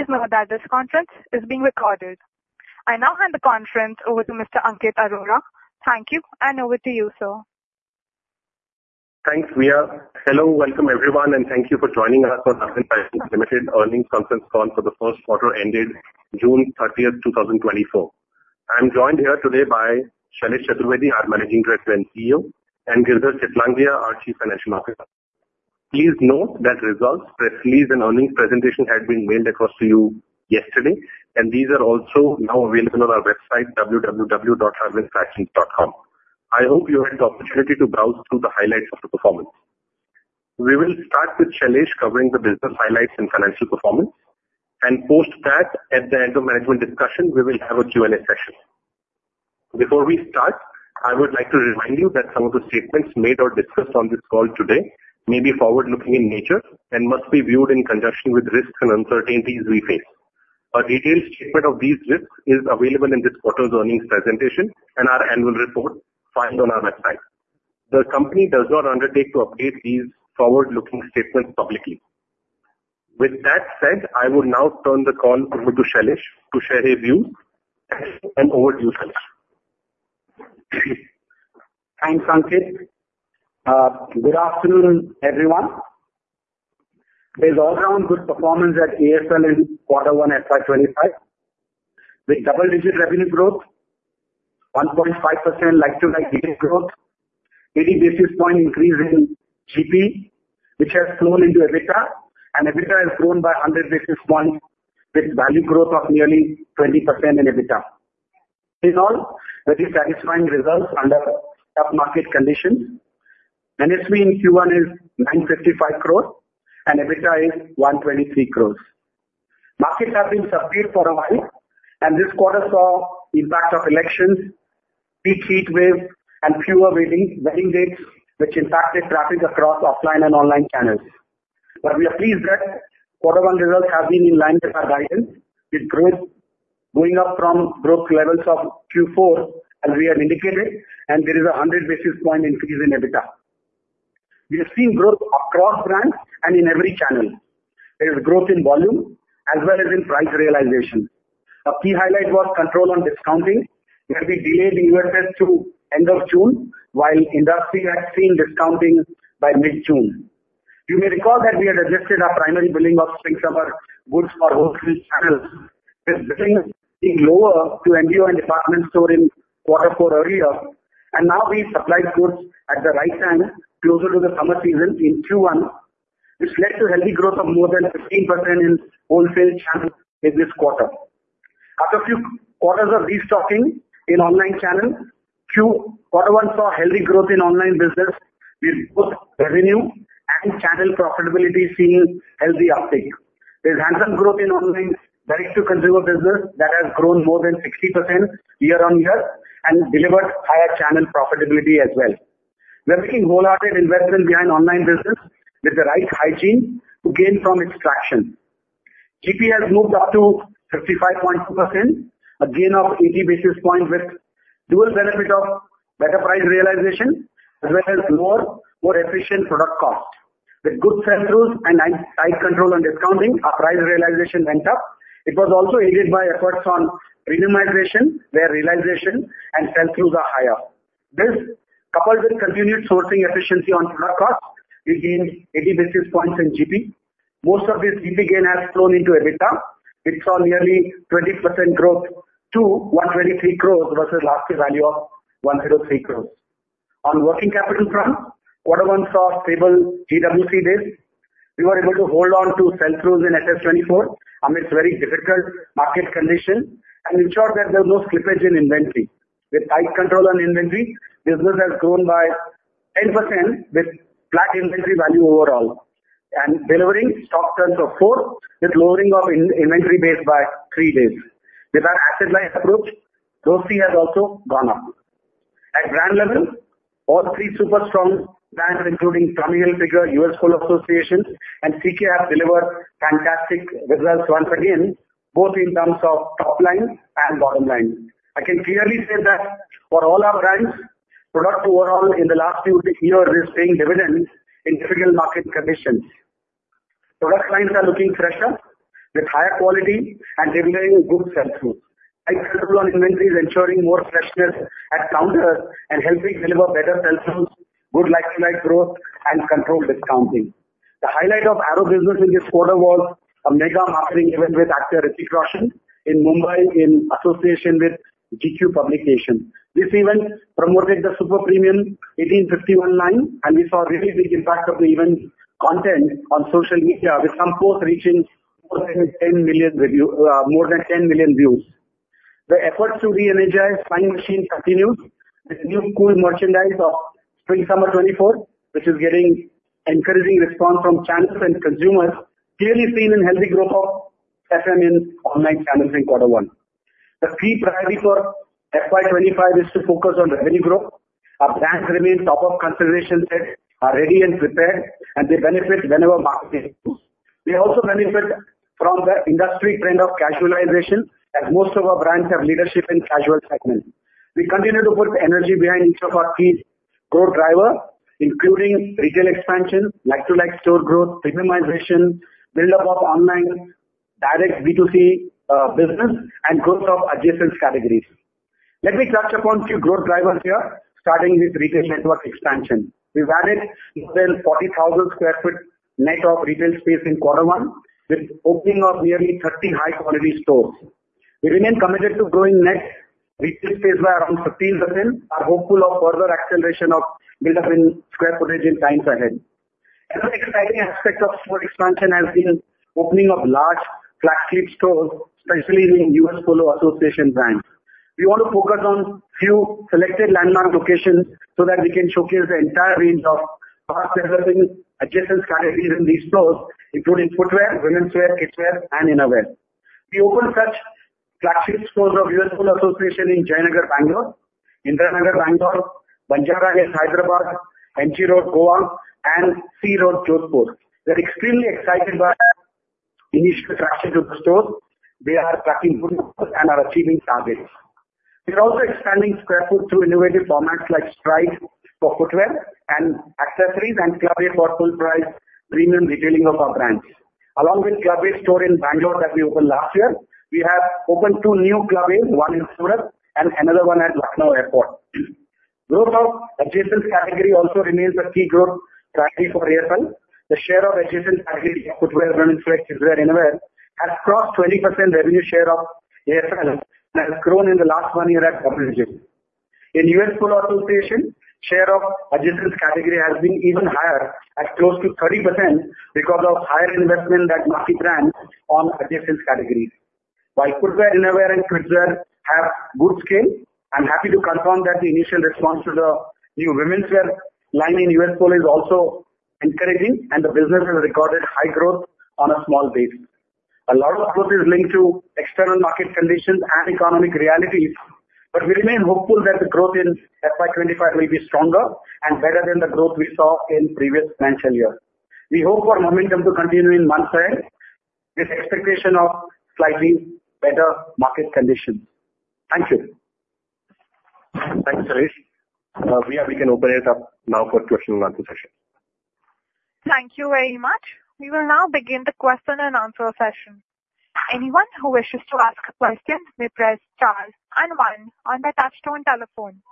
Please note that this conference is being recorded. I now hand the conference over to Mr. Ankit Arora. Thank you, and over to you, sir. Thanks, Mia. Hello, welcome everyone, and thank you for joining us for the Arvind Fashions Limited earnings conference call for the first quarter ended June 30, 2024. I'm joined here today by Shailesh Chaturvedi, our Managing Director and CEO, and Girdhar Chitlangia, our Chief Financial Officer. Please note that results, press release, and earnings presentation had been mailed across to you yesterday, and these are also now available on our website, www.arvindfashions.com. I hope you had the opportunity to browse through the highlights of the performance. We will start with Shailesh covering the business highlights and financial performance, and post that, at the end of the management discussion, we will have a Q&A session. Before we start, I would like to remind you that some of the statements made or discussed on this call today may be forward-looking in nature and must be viewed in conjunction with risks and uncertainties we face. A detailed statement of these risks is available in this quarter's earnings presentation and our annual report filed on our website. The company does not undertake to update these forward-looking statements publicly. With that said, I will now turn the call over to Shailesh to share his views, and over to you, Shailesh. Thanks, Ankit. Good afternoon, everyone. There's overall good performance at ASL in Quarter 1, FY25, with double-digit revenue growth, 1.5% like-for-like growth, 80 basis points increase in GP, which has flowed into EBITDA, and EBITDA has grown by 100 basis points, with value growth of nearly 20% in EBITDA. In all, very satisfying results under tough market conditions. NSV in Q1 is 955 crore, and EBITDA is 123 crore. Markets have been subdued for a while, and this quarter saw the impact of elections, peak heat wave, and fewer wedding dates, which impacted traffic across offline and online channels. But we are pleased that Quarter 1 results have been in line with our guidance, with growth going up from growth levels of Q4, as we had indicated, and there is a 100 basis point increase in EBITDA. We have seen growth across brands and in every channel. There is growth in volume as well as in price realization. A key highlight was control on discounting, where we delayed the EOSS to end of June, while industry had seen discounting by mid-June. You may recall that we had adjusted our primary billing of spring-summer goods for wholesale channels, with billing being lower to MBO and department store in Quarter 4 earlier, and now we supplied goods at the right time closer to the summer season in Q1, which led to healthy growth of more than 15% in wholesale channels in this quarter. After a few quarters of restocking in online channels, Quarter 1 saw healthy growth in online business, with both revenue and channel profitability seeing healthy uptake. There's handsome growth in online direct-to-consumer business that has grown more than 60% year-on-year and delivered higher channel profitability as well. We are making wholehearted investment behind online business with the right hygiene to gain from its traction. GP has moved up to 55.2%, a gain of 80 basis points, with dual benefit of better price realization as well as more efficient product cost. With good sell-throughs and tight control on discounting, our price realization went up. It was also aided by efforts on minimization, where realization and sell-throughs are higher. This, coupled with continued sourcing efficiency on product cost, we gained 80 basis points in GP. Most of this GP gain has flown into EBITDA, which saw nearly 20% growth to 123 crore versus last year's value of 103 crore. On working capital front, Quarter 1 saw stable GWC days. We were able to hold on to sell-throughs in SS24 amidst very difficult market conditions and ensured that there was no slippage in inventory. With tight control on inventory, business has grown by 10% with flat inventory value overall and delivering stock turns of four with lowering of inventory base by three days. With our asset-life approach, Growth C has also gone up. At brand level, all three super strong brands, including Tommy Hilfiger, U.S. Polo Assn., and CK, have delivered fantastic results once again, both in terms of top line and bottom line. I can clearly say that for all our brands, product overall in the last few years is paying dividends in difficult market conditions. Product lines are looking fresher, with higher quality and revealing good sell-throughs. Tight control on inventory is ensuring more freshness at counters and helping deliver better sell-throughs, good light-to-light growth, and controlled discounting. The highlight of Arrow Business in this quarter was a mega marketing event with Hrithik Roshan in Mumbai in association with GQ India. This event promoted the super premium 1851 line, and we saw a really big impact of the event content on social media, with some posts reaching more than 10 million views. The efforts to re-energize Flying Machine continue with new cool merchandise of Spring Summer 2024, which is getting encouraging response from channels and consumers, clearly seen in healthy growth of FM in online channels in Quarter 1. The key priority for FY25 is to focus on revenue growth. Our brands remain top of consideration sets, are ready and prepared, and they benefit whenever marketing moves. They also benefit from the industry trend of casualization, as most of our brands have leadership in casual segments. We continue to put energy behind each of our key growth drivers, including retail expansion, like-for-like store growth, premiumization, build-up of online direct B2C business, and growth of adjacent categories. Let me touch upon a few growth drivers here, starting with retail network expansion. We've added more than 40,000 sq ft net of retail space in Quarter 1, with opening of nearly 30 high-quality stores. We remain committed to growing net retail space by around 15%. We are hopeful of further acceleration of build-up in square footage in times ahead. Another exciting aspect of store expansion has been the opening of large flagship stores, especially in U.S. Polo Assn. brands. We want to focus on a few selected landmark locations so that we can showcase the entire range of fast-developing adjacent categories in these stores, including footwear, women's wear, kids' wear, and innerwear. We opened such flagship stores of U.S. Polo Assn. in Jayanagar, Bangalore, Indiranagar, Bangalore, Banjara Hills, Hyderabad, M.G. Road, Goa, and C Road, Jodhpur. We are extremely excited by the initial traction to the stores. We are tracking good numbers and are achieving targets. We are also expanding square foot through innovative formats like Stride for footwear and accessories and Club A for full-price premium retailing of our brands. Along with Club A store in Bengaluru that we opened last year, we have opened two new Club As, one in Surat and another one at Lucknow Airport. Growth of adjacent category also remains a key growth priority for AFL. The share of adjacent category footwear, running flex, and innerwear has crossed 20% revenue share of AFL and has grown in the last one year at CAGR. In U.S. Polo Assn., the share of adjacent category has been even higher, at close to 30%, because of higher investment that market brands on adjacent categories. While footwear, innerwear, and kidswear have good scale, I'm happy to confirm that the initial response to the new women's wear line in U.S. Polo Assn. is also encouraging, and the business has recorded high growth on a small basis. A lot of growth is linked to external market conditions and economic realities, but we remain hopeful that the growth in FY25 will be stronger and better than the growth we saw in previous financial years. We hope for momentum to continue in months ahead, with expectation of slightly better market conditions. Thank you. Thanks, Shailesh. Mia, we can open it up now for question and answer session. Thank you very much. We will now begin the question and answer session. Anyone who wishes to ask a question may press star and one on the touchstone telephone.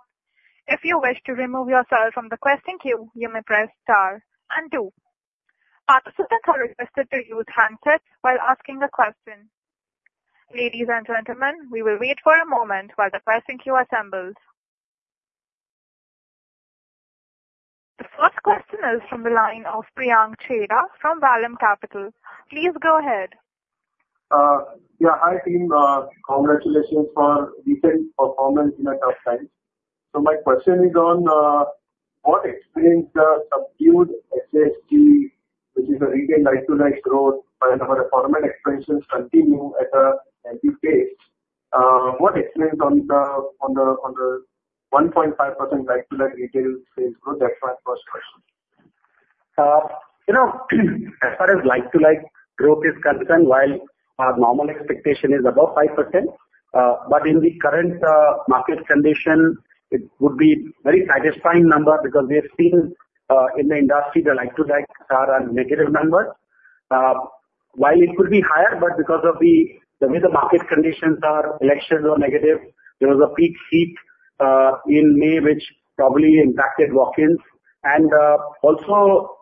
If you wish to remove yourself from the question queue, you may press star and two. Participants are requested to use handsets while asking a question. Ladies and gentlemen, we will wait for a moment while the question queue assembles. The first question is from the line of Priyank Chheda from Vallum Capital. Please go ahead. Yeah, hi team. Congratulations for recent performance in a tough time. My question is on what explains the subdued SSG, which is a retail like-to-like growth, and how the format expansions continue at a healthy pace. What explains on the 1.5% like-to-like retail sales growth? That's my first question. You know, as far as like-for-like growth is concerned, while our normal expectation is above 5%, but in the current market condition, it would be a very satisfying number because we have seen in the industry the like-for-like are negative numbers. While it could be higher, but because of the way the market conditions are, elections are negative, there was a peak heat in May, which probably impacted walk-ins. And also,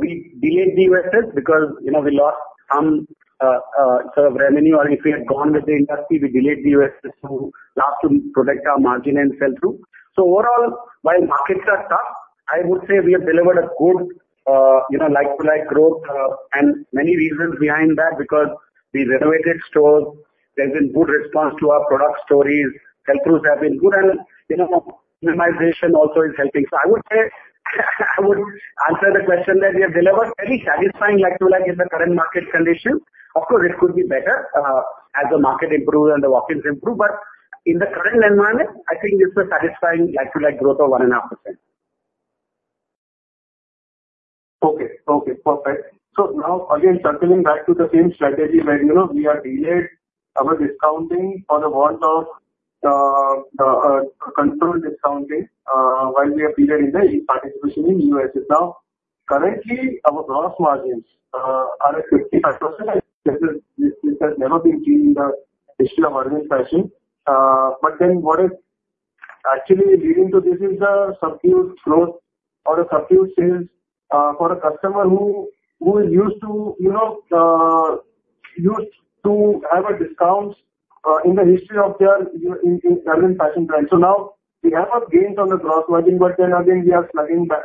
we delayed the EOSS because we lost some sort of revenue, or if we had gone with the industry, we delayed the EOSS to last to protect our margin and sell-through. So overall, while markets are tough, I would say we have delivered a good like-for-like growth, and many reasons behind that because we renovated stores. There's been good response to our product stories. Sell-throughs have been good, and minimization also is helping. So I would say I would answer the question that we have delivered very satisfying like-for-like in the current market conditions. Of course, it could be better as the market improves and the walk-ins improve, but in the current environment, I think it's a satisfying like-for-like growth of 1.5%. Okay, okay, perfect. So now, again, circling back to the same strategy where we are delaying our discounting for the want of controlled discounting while we are delaying in the participation in EOSS. Now, currently, our gross margins are at 55%. This has never been seen in the history of Arvind Fashions. But then what is actually leading to this is the subdued growth or the subdued sales for a customer who is used to have a discount in the history of their Arvind Fashions brand. So now we have a gain on the gross margin, but then again, we are struggling back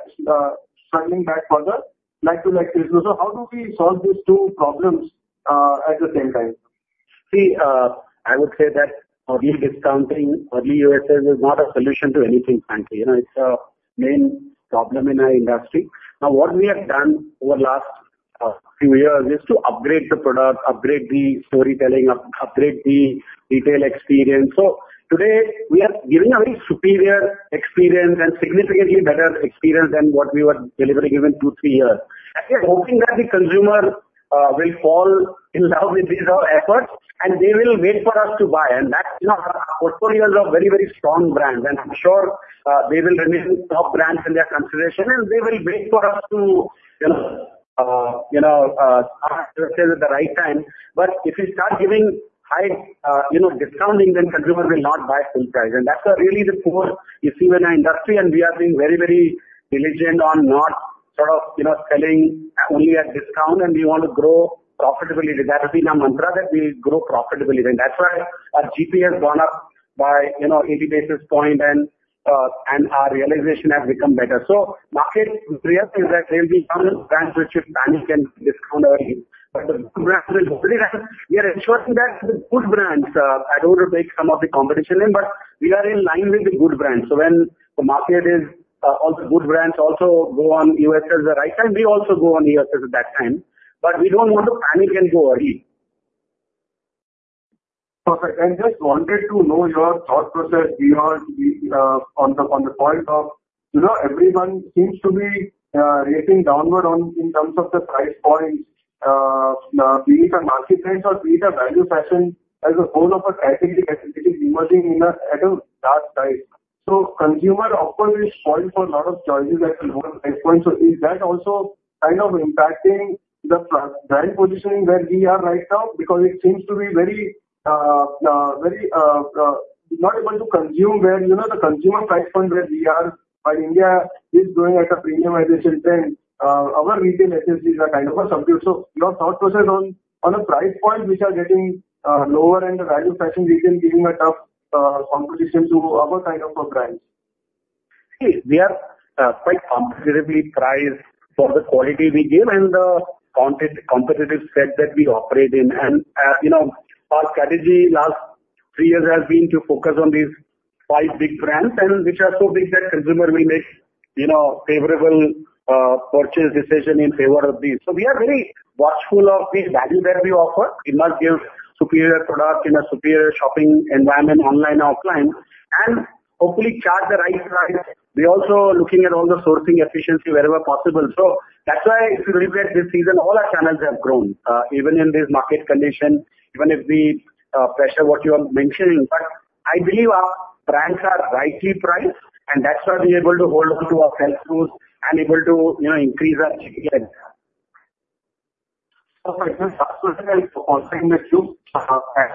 for the like-for-like sales. So how do we solve these two problems at the same time? See, I would say that early discounting, early EOSS is not a solution to anything, frankly. It's a main problem in our industry. Now, what we have done over the last few years is to upgrade the product, upgrade the storytelling, upgrade the retail experience. So today, we are giving a very superior experience and significantly better experience than what we were delivering even two, three years. We are hoping that the consumer will fall in love with these efforts, and they will wait for us to buy. And our portfolios are very, very strong brands, and I'm sure they will remain top brands in their consideration, and they will wait for us to start with the right time. But if we start giving high discounting, then consumers will not buy full price. And that's really the core issue in our industry, and we are being very, very diligent on not sort of selling only at discount, and we want to grow profitably. That has been our mantra, that we grow profitably. And that's why our GP has gone up by 80 basis points, and our realization has become better. So market reality is that there will be some brands which will panic and discount early. But the good brands will hopefully rise up. We are ensuring that the good brands are able to take some of the competition in, but we are in line with the good brands. So when the market is, all the good brands also go on EOSS at the right time, we also go on EOSS at that time. But we don't want to panic and go early. Perfect. I just wanted to know your thought process beyond on the point of everyone seems to be racing downward in terms of the price points. These are market trends, or these are value sessions as a whole of a trending which is emerging at a large size. So consumer, of course, is calling for a lot of choices at the lower price point. So is that also kind of impacting the brand positioning where we are right now? Because it seems to be very not able to consume where the consumer price point where we are, while India is going at a premium additional trend, our retail SSGs are kind of subdued. So your thought process on the price points which are getting lower and the value session retail giving a tough competition to other kinds of brands? See, we are quite competitively priced for the quality we give and the competitive set that we operate in. And our strategy last three years has been to focus on these five big brands, which are so big that consumer will make favorable purchase decisions in favor of these. So we are very watchful of the value that we offer. We must give superior products in a superior shopping environment online and offline, and hopefully charge the right price. We are also looking at all the sourcing efficiency wherever possible. So that's why if you look at this season, all our channels have grown, even in this market condition, even if we pressure what you are mentioning. But I believe our brands are rightly priced, and that's why we are able to hold on to our sell-throughs and able to increase our GPN. Perfect. I'll say a few.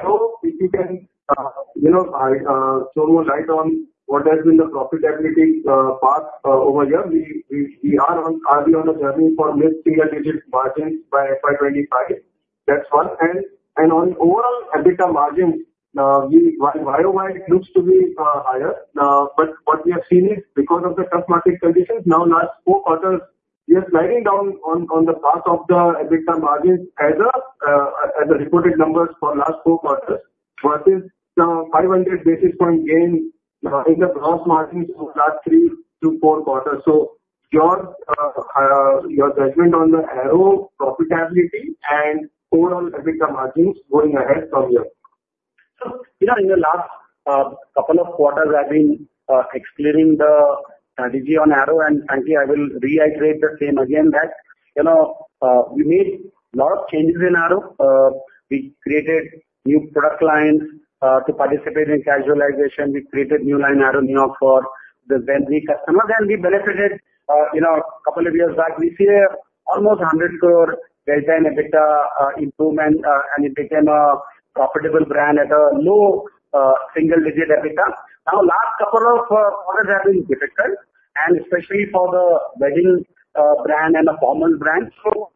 So if you can throw more light on what has been the profitability path over here, we are on a journey for mid-single digit margins by FY25. That's one. And on overall EBITDA margins, while YOY looks to be higher, but what we have seen is because of the tough market conditions, now last four quarters, we are sliding down on the path of the EBITDA margins as the reported numbers for last four quarters versus the 500 basis points gain in the gross margins of last three to four quarters. So your judgment on the Arrow profitability and overall EBITDA margins going ahead from here? So in the last couple of quarters, I've been explaining the strategy on Arrow, and frankly, I will reiterate the same again that we made a lot of changes in Arrow. We created new product lines to participate in casualization. We created new line Arrow New York for the Gen Z customers. And we benefited a couple of years back. We see almost 100 crore delta in EBITDA improvement, and it became a profitable brand at a low single-digit EBITDA. Now, the last couple of quarters have been difficult, and especially for the wedding brand and the formal brand. So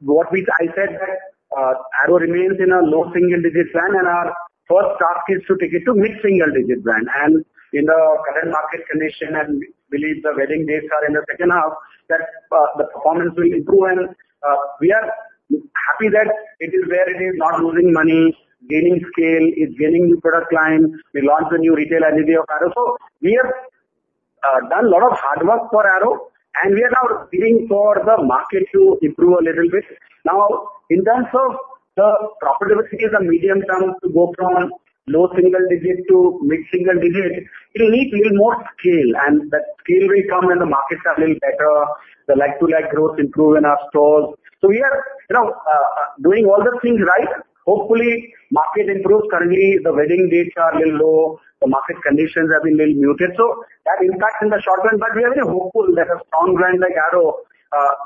what I said that Arrow remains in a low single-digit trend, and our first task is to take it to mid-single-digit brand. And in the current market condition, and we believe the wedding dates are in the second half, that the performance will improve. We are happy that it is where it is, not losing money, gaining scale, is gaining new product lines. We launched a new retail addition of Arrow. So we have done a lot of hard work for Arrow, and we are now waiting for the market to improve a little bit. Now, in terms of the profitability, the medium term to go from low single digit to mid-single digit, it will need a little more scale, and that scale will come when the markets are a little better, the like-for-like growth improves in our stores. So we are doing all the things right. Hopefully, market improves. Currently, the wedding dates are a little low. The market conditions have been a little muted. So that impacts in the short term, but we are very hopeful that a strong brand like Arrow,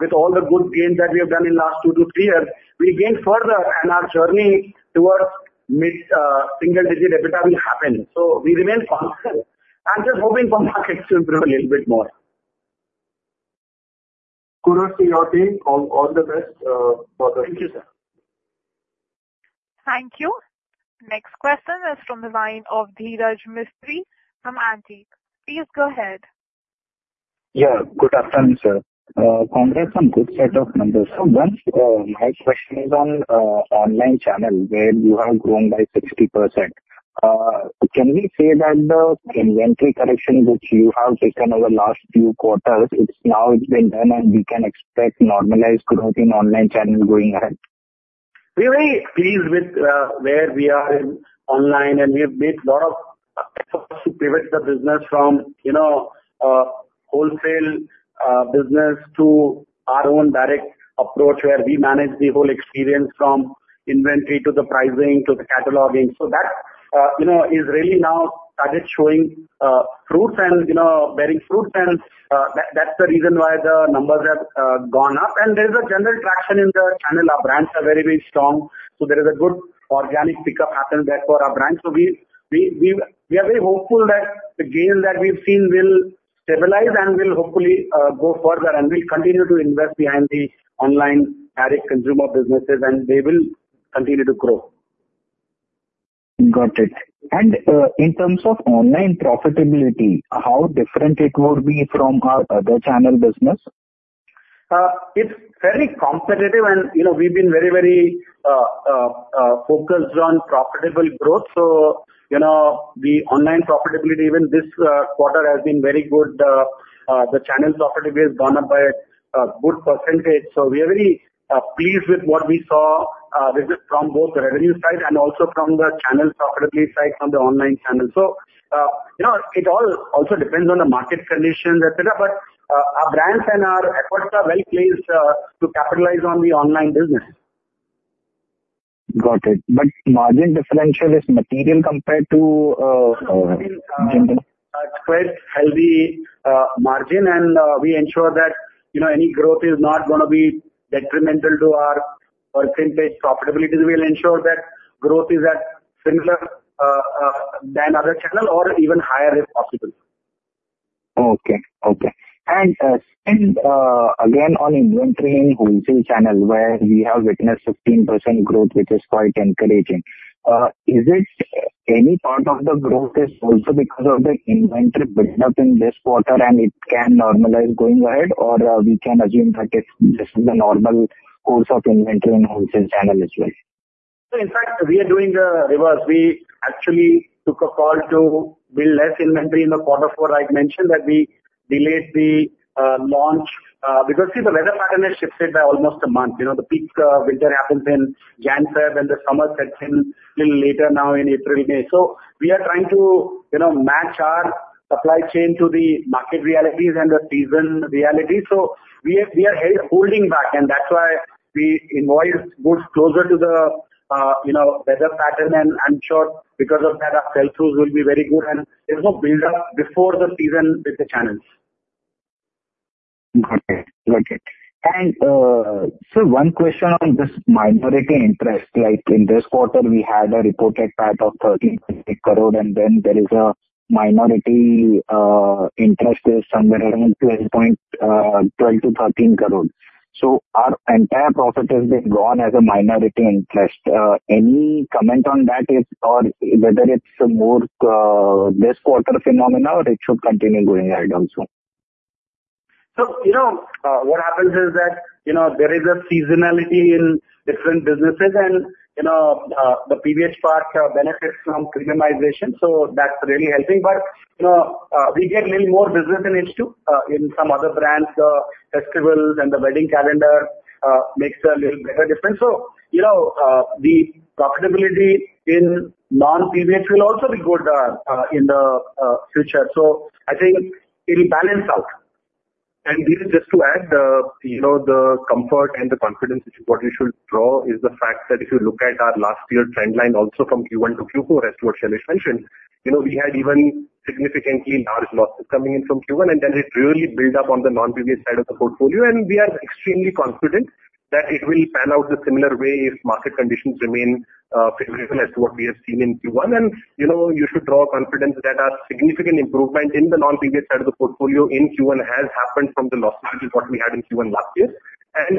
with all the good gains that we have done in the last two to three years, will gain further, and our journey towards mid-single digit EBITDA will happen. We remain confident and just hoping for markets to improve a little bit more. Good to see your team. All the best for the future. Thank you. Next question is from the line of Dheeraj Mistry from Antique. Please go ahead. Yeah, good afternoon, sir. Congrats on a good set of numbers. My question is on online channels where you have grown by 60%. Can we say that the inventory correction which you have taken over the last few quarters, now it's been done, and we can expect normalized growth in online channels going ahead? We're very pleased with where we are in online, and we have made a lot of efforts to pivot the business from wholesale business to our own direct approach where we manage the whole experience from inventory to the pricing to the cataloging. That is really now started showing fruits and bearing fruits, and that's the reason why the numbers have gone up. There is a general traction in the channel. Our brands are very, very strong. There is a good organic pickup happening there for our brands. We are very hopeful that the gains that we've seen will stabilize and will hopefully go further, and we'll continue to invest behind the online direct consumer businesses, and they will continue to grow. Got it. In terms of online profitability, how different it would be from our other channel business? It's fairly competitive, and we've been very, very focused on profitable growth. So the online profitability, even this quarter, has been very good. The channel profitability has gone up by a good percentage. So we are very pleased with what we saw from both the revenue side and also from the channel profitability side from the online channel. So it all also depends on the market conditions, etc. But our brands and our efforts are well placed to capitalize on the online business. Got it. But margin differential is material compared to general? Quite healthy margin, and we ensure that any growth is not going to be detrimental to our percentage profitability. We will ensure that growth is at similar than other channels or even higher if possible. Okay, okay. Again, on inventory in wholesale channel, where we have witnessed 15% growth, which is quite encouraging, is it any part of the growth is also because of the inventory buildup in this quarter, and it can normalize going ahead, or we can assume that this is the normal course of inventory in wholesale channel as well? In fact, we are doing the reverse. We actually took a call to build less inventory in the quarter four. I mentioned that we delayed the launch because, see, the weather pattern has shifted by almost a month. The peak winter happens in Jan-Feb, and the summer sets in a little later now in April-May. So we are trying to match our supply chain to the market realities and the season realities. So we are holding back, and that's why we invoice goods closer to the weather pattern, and I'm sure because of that, our sell-throughs will be very good, and there's no buildup before the season with the channels. Got it, got it. Sir, one question on this minority interest. In this quarter, we had a reported PAT of 13-18 crore, and then there is a minority interest somewhere around 12-13 crore. So our entire profit has been gone as a minority interest. Any comment on that, or whether it's more this quarter phenomenon, or it should continue going ahead also? So what happens is that there is a seasonality in different businesses, and the previous part benefits from premiumization. So that's really helping. But we get a little more business in H2 in some other brands. The festivals and the wedding calendar makes a little better difference. So the profitability in non-PVH will also be good in the future. So I think it will balance out. And just to add, the comfort and the confidence what we should draw is the fact that if you look at our last year trend line also from Q1 to Q4, as Shailesh mentioned, we had even significantly large losses coming in from Q1, and then it really built up on the non-PVH side of the portfolio. And we are extremely confident that it will pan out the similar way if market conditions remain favorable as to what we have seen in Q1. You should draw confidence that a significant improvement in the non-PVH side of the portfolio in Q1 has happened from the loss margin what we had in Q1 last year.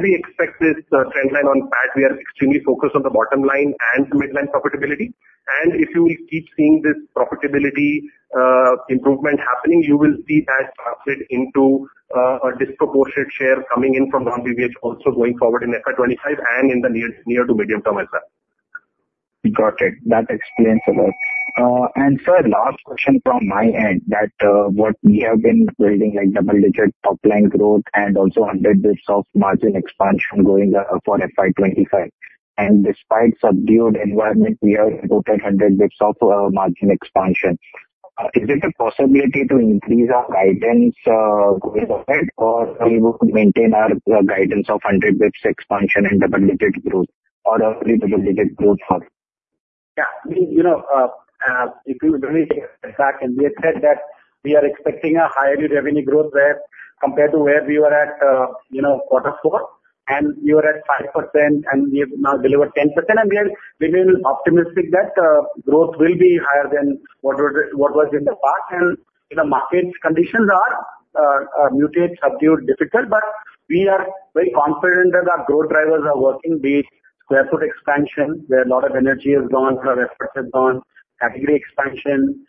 We expect this trend line on PAT. We are extremely focused on the bottom line and the midline profitability. If you will keep seeing this profitability improvement happening, you will see that translate into a disproportionate share coming in from non-PVH also going forward in FY25 and in the near to medium term as well. Got it. That explains a lot. Sir, last question from my end that what we have been building like double-digit top-line growth and also 100 bps of margin expansion going for FY25. Despite subdued environment, we are reporting 100 bps of margin expansion. Is it a possibility to increase our guidance going ahead, or we will maintain our guidance of 100 bps expansion and double-digit growth or early double-digit growth? Yeah, if you look at the fact, we have said that we are expecting a higher revenue growth compared to where we were at quarter four. We were at 5%, and we have now delivered 10%. We have been optimistic that growth will be higher than what was in the past. Market conditions are muted, subdued, difficult. But we are very confident that our growth drivers are working, be it square foot expansion, where a lot of energy has gone, a lot of effort has gone, category expansion,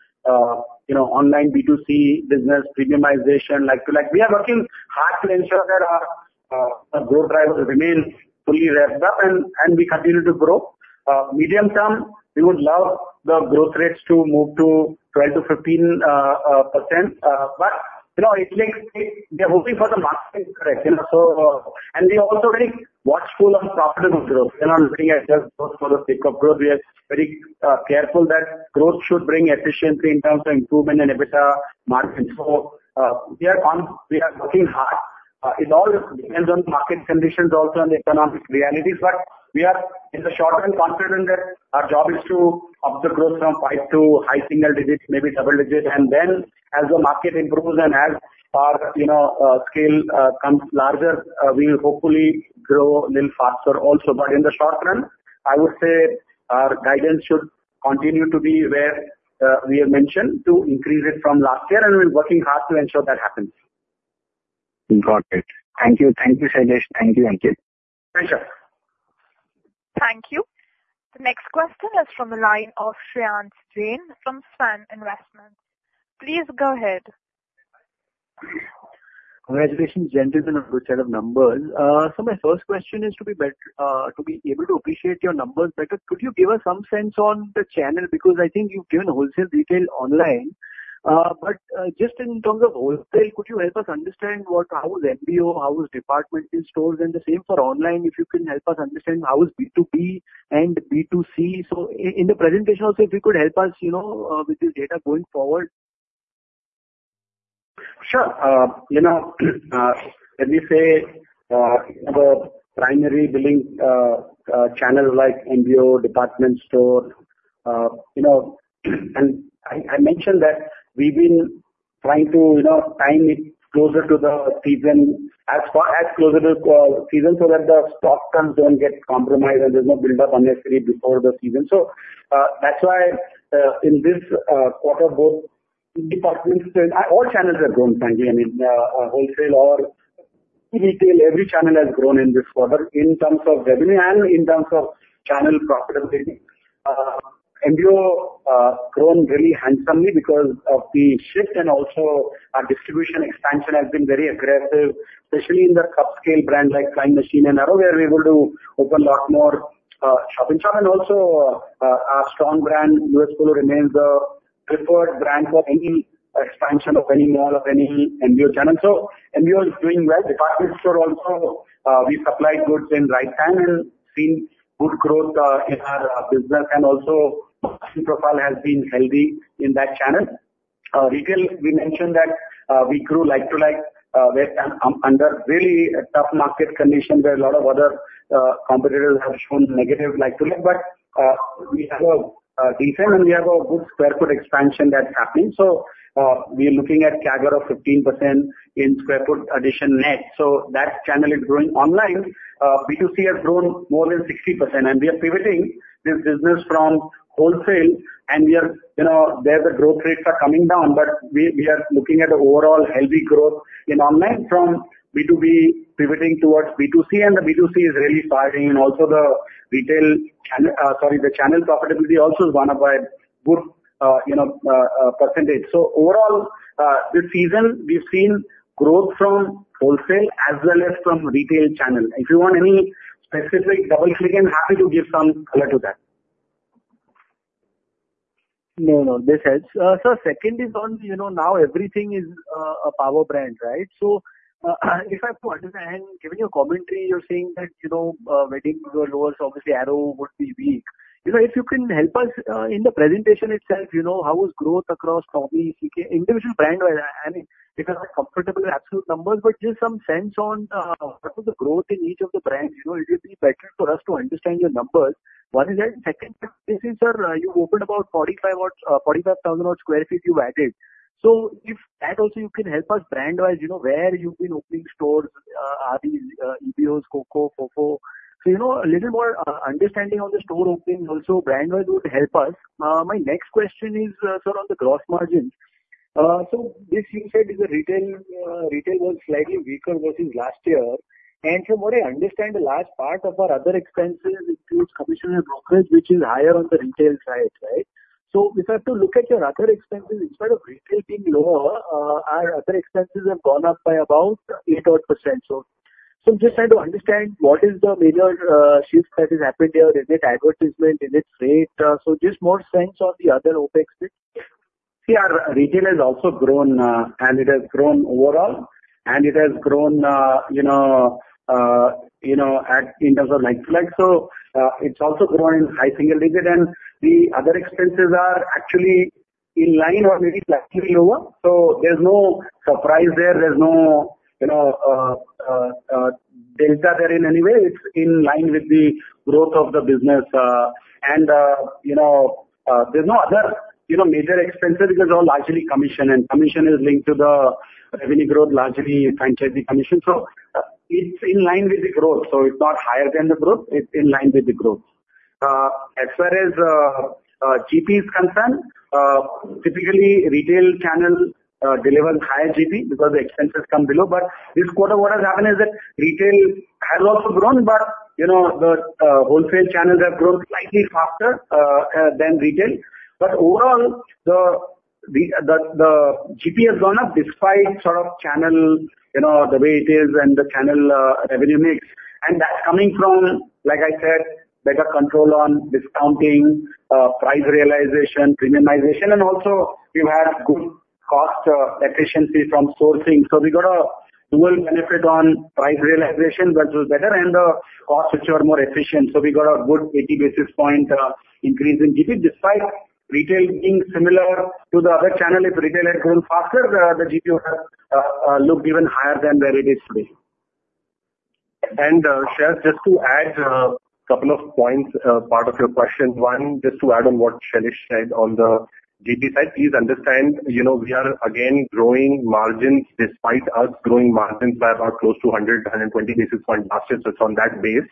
online B2C business, premiumization, like. We are working hard to ensure that our growth drivers remain fully revved up, and we continue to grow. Medium term, we would love the growth rates to move to 12%-15%. We are hoping for the market to correct. We are also very watchful of profitable growth. We are not looking at just growth for the sake of growth. We are very careful that growth should bring efficiency in terms of improvement in EBITDA margins. So we are working hard. It all depends on market conditions also and the economic realities. But we are, in the short term, confident that our job is to up the growth from 5 to high single digits, maybe double digits. And then, as the market improves and as our scale comes larger, we will hopefully grow a little faster also. But in the short term, I would say our guidance should continue to be where we have mentioned to increase it from last year. And we're working hard to ensure that happens. Got it. Thank you. Thank you, Shailesh. Thank you, Ankit. Sure. Thank you. The next question is from the line of Shreyans Jain from Svan Investments. Please go ahead. Congratulations, gentlemen, on those set of numbers. My first question is to be able to appreciate your numbers. Could you give us some sense on the channel? Because I think you've given wholesale detail online. But just in terms of wholesale, could you help us understand how is MBO, how is department stores? And the same for online, if you can help us understand how is B2B and B2C? In the presentation also, if you could help us with this data going forward. Sure. Let me say the primary billing channel like MBO, department store. And I mentioned that we've been trying to time it closer to the season as far as closer to the season so that the stock turns don't get compromised and there's no buildup unnecessary before the season. So that's why in this quarter, both departments, all channels have grown frankly. I mean, wholesale or retail, every channel has grown in this quarter in terms of revenue and in terms of channel profitability. MBO has grown really handsomely because of the shift, and also our distribution expansion has been very aggressive, especially in the casual brands like Flying Machine and Arrow, where we were able to open a lot more shop-in-shops. And also, our strong brand, US Polo, remains the preferred brand for any expansion of any mall or any MBO channel. So MBO is doing well. Department store also, we supplied goods in the right time and seen good growth in our business. And also, profile has been healthy in that channel. Retail, we mentioned that we grew like-to-like under really tough market conditions where a lot of other competitors have shown negative like-to-like. But we have a decent, and we have a good square foot expansion that's happening. So we are looking at CAGR of 15% in square foot addition net. So that channel is growing. Online B2C has grown more than 60%, and we are pivoting this business from wholesale, and there the growth rates are coming down. But we are looking at the overall healthy growth in online from B2B pivoting towards B2C, and the B2C is really firing. And also the retail channel profitability also is one of our good percentage. So overall, this season, we've seen growth from wholesale as well as from retail channel. If you want any specific double-click, I'm happy to give some color to that. No, no, this helps. So second is on now everything is a power brand, right? So if I have to understand, giving you a commentary, you're saying that weddings are lower, so obviously Arrow would be weak. If you can help us in the presentation itself, how is growth across individual brand? I mean, we cannot comfortably have absolute numbers, but just some sense on what was the growth in each of the brands. It would be better for us to understand your numbers. One is that second, this is, sir, you've opened about 45,000 sq ft you've added. So if that also you can help us brand-wise, where you've been opening stores, are these EBOs, COCO, FOFO? So a little more understanding on the store opening also brand-wise would help us. My next question is, sir, on the gross margins. So this you said is a retail was slightly weaker versus last year. From what I understand, the last part of our other expenses includes commission and brokerage, which is higher on the retail side, right? So if I have to look at your other expenses, instead of retail being lower, our other expenses have gone up by about 8% or 10%. Just trying to understand what is the major shift that has happened here. Is it advertisement? Is it rate? Just more sense on the other OpEx? See, our retail has also grown, and it has grown overall, and it has grown in terms of like-for-like. It's also grown in high single digit, and the other expenses are actually in line or maybe slightly lower. There's no surprise there. There's no delta there in any way. It's in line with the growth of the business. There's no other major expenses because all largely commission, and commission is linked to the revenue growth, largely franchisee commission. It's in line with the growth. It's not higher than the growth. It's in line with the growth. As far as GP is concerned, typically retail channel delivers higher GP because the expenses come below. This quarter, what has happened is that retail has also grown, but the wholesale channels have grown slightly faster than retail. But overall, the GP has gone up despite sort of channel, the way it is, and the channel revenue mix. And that's coming from, like I said, better control on discounting, price realization, premiumization, and also we've had good cost efficiency from sourcing. So we got a dual benefit on price realization, which was better, and the costs, which are more efficient. So we got a good 80 basis points increase in GP despite retail being similar to the other channel. If retail had grown faster, the GP would have looked even higher than where it is today. Shailesh, just to add a couple of points, part of your question. One, just to add on what Shailesh said on the GP side, please understand we are again growing margins despite us growing margins by about close to 100-120 basis points last year. So it's on that base.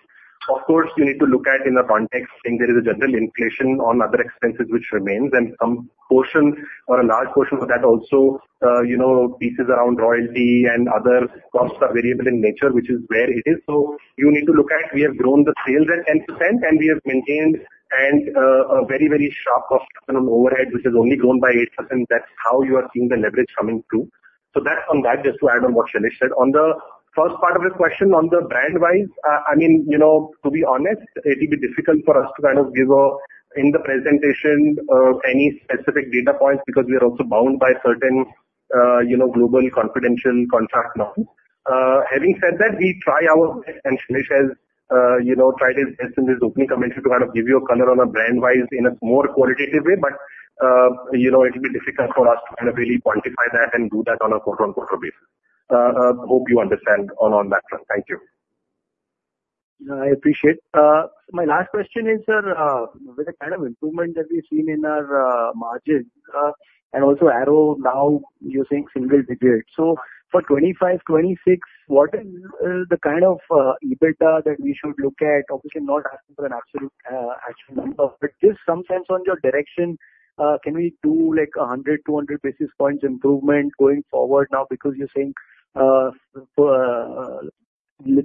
Of course, you need to look at in the context saying there is a general inflation on other expenses, which remains, and some portion or a large portion of that also pieces around royalty and other costs are variable in nature, which is where it is. So you need to look at we have grown the sales at 10%, and we have maintained a very, very sharp overhead, which has only grown by 8%. That's how you are seeing the leverage coming through. So that's on that, just to add on what Shailesh said. On the first part of your question on the brand-wise, I mean, to be honest, it will be difficult for us to kind of give in the presentation any specific data points because we are also bound by certain global confidential contract norms. Having said that, we try our best, and Shesh has tried his best in his opening commentary to kind of give you a color on a brand-wise in a more qualitative way. But it will be difficult for us to kind of really quantify that and do that on a quarter-on-quarter basis. Hope you understand on that front. Thank you. I appreciate it. My last question is, sir, with the kind of improvement that we've seen in our margins and also Arrow now using single digit. So for 2025, 2026, what is the kind of EBITDA that we should look at? Obviously, not asking for an absolute actual number, but give some sense on your direction. Can we do like 100, 200 basis points improvement going forward now because you're saying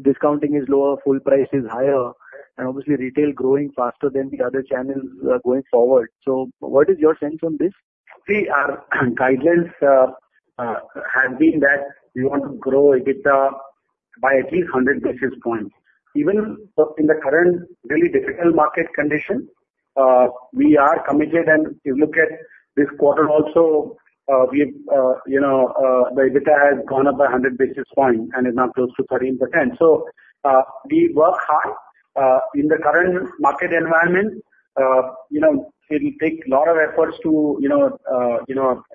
discounting is lower, full price is higher, and obviously retail growing faster than the other channels going forward? So what is your sense on this? See, our guidelines have been that we want to grow EBITDA by at least 100 basis points. Even in the current really difficult market condition, we are committed. And if you look at this quarter also, the EBITDA has gone up by 100 basis points and is now close to 13%. So we work hard in the current market environment. It will take a lot of efforts to deliver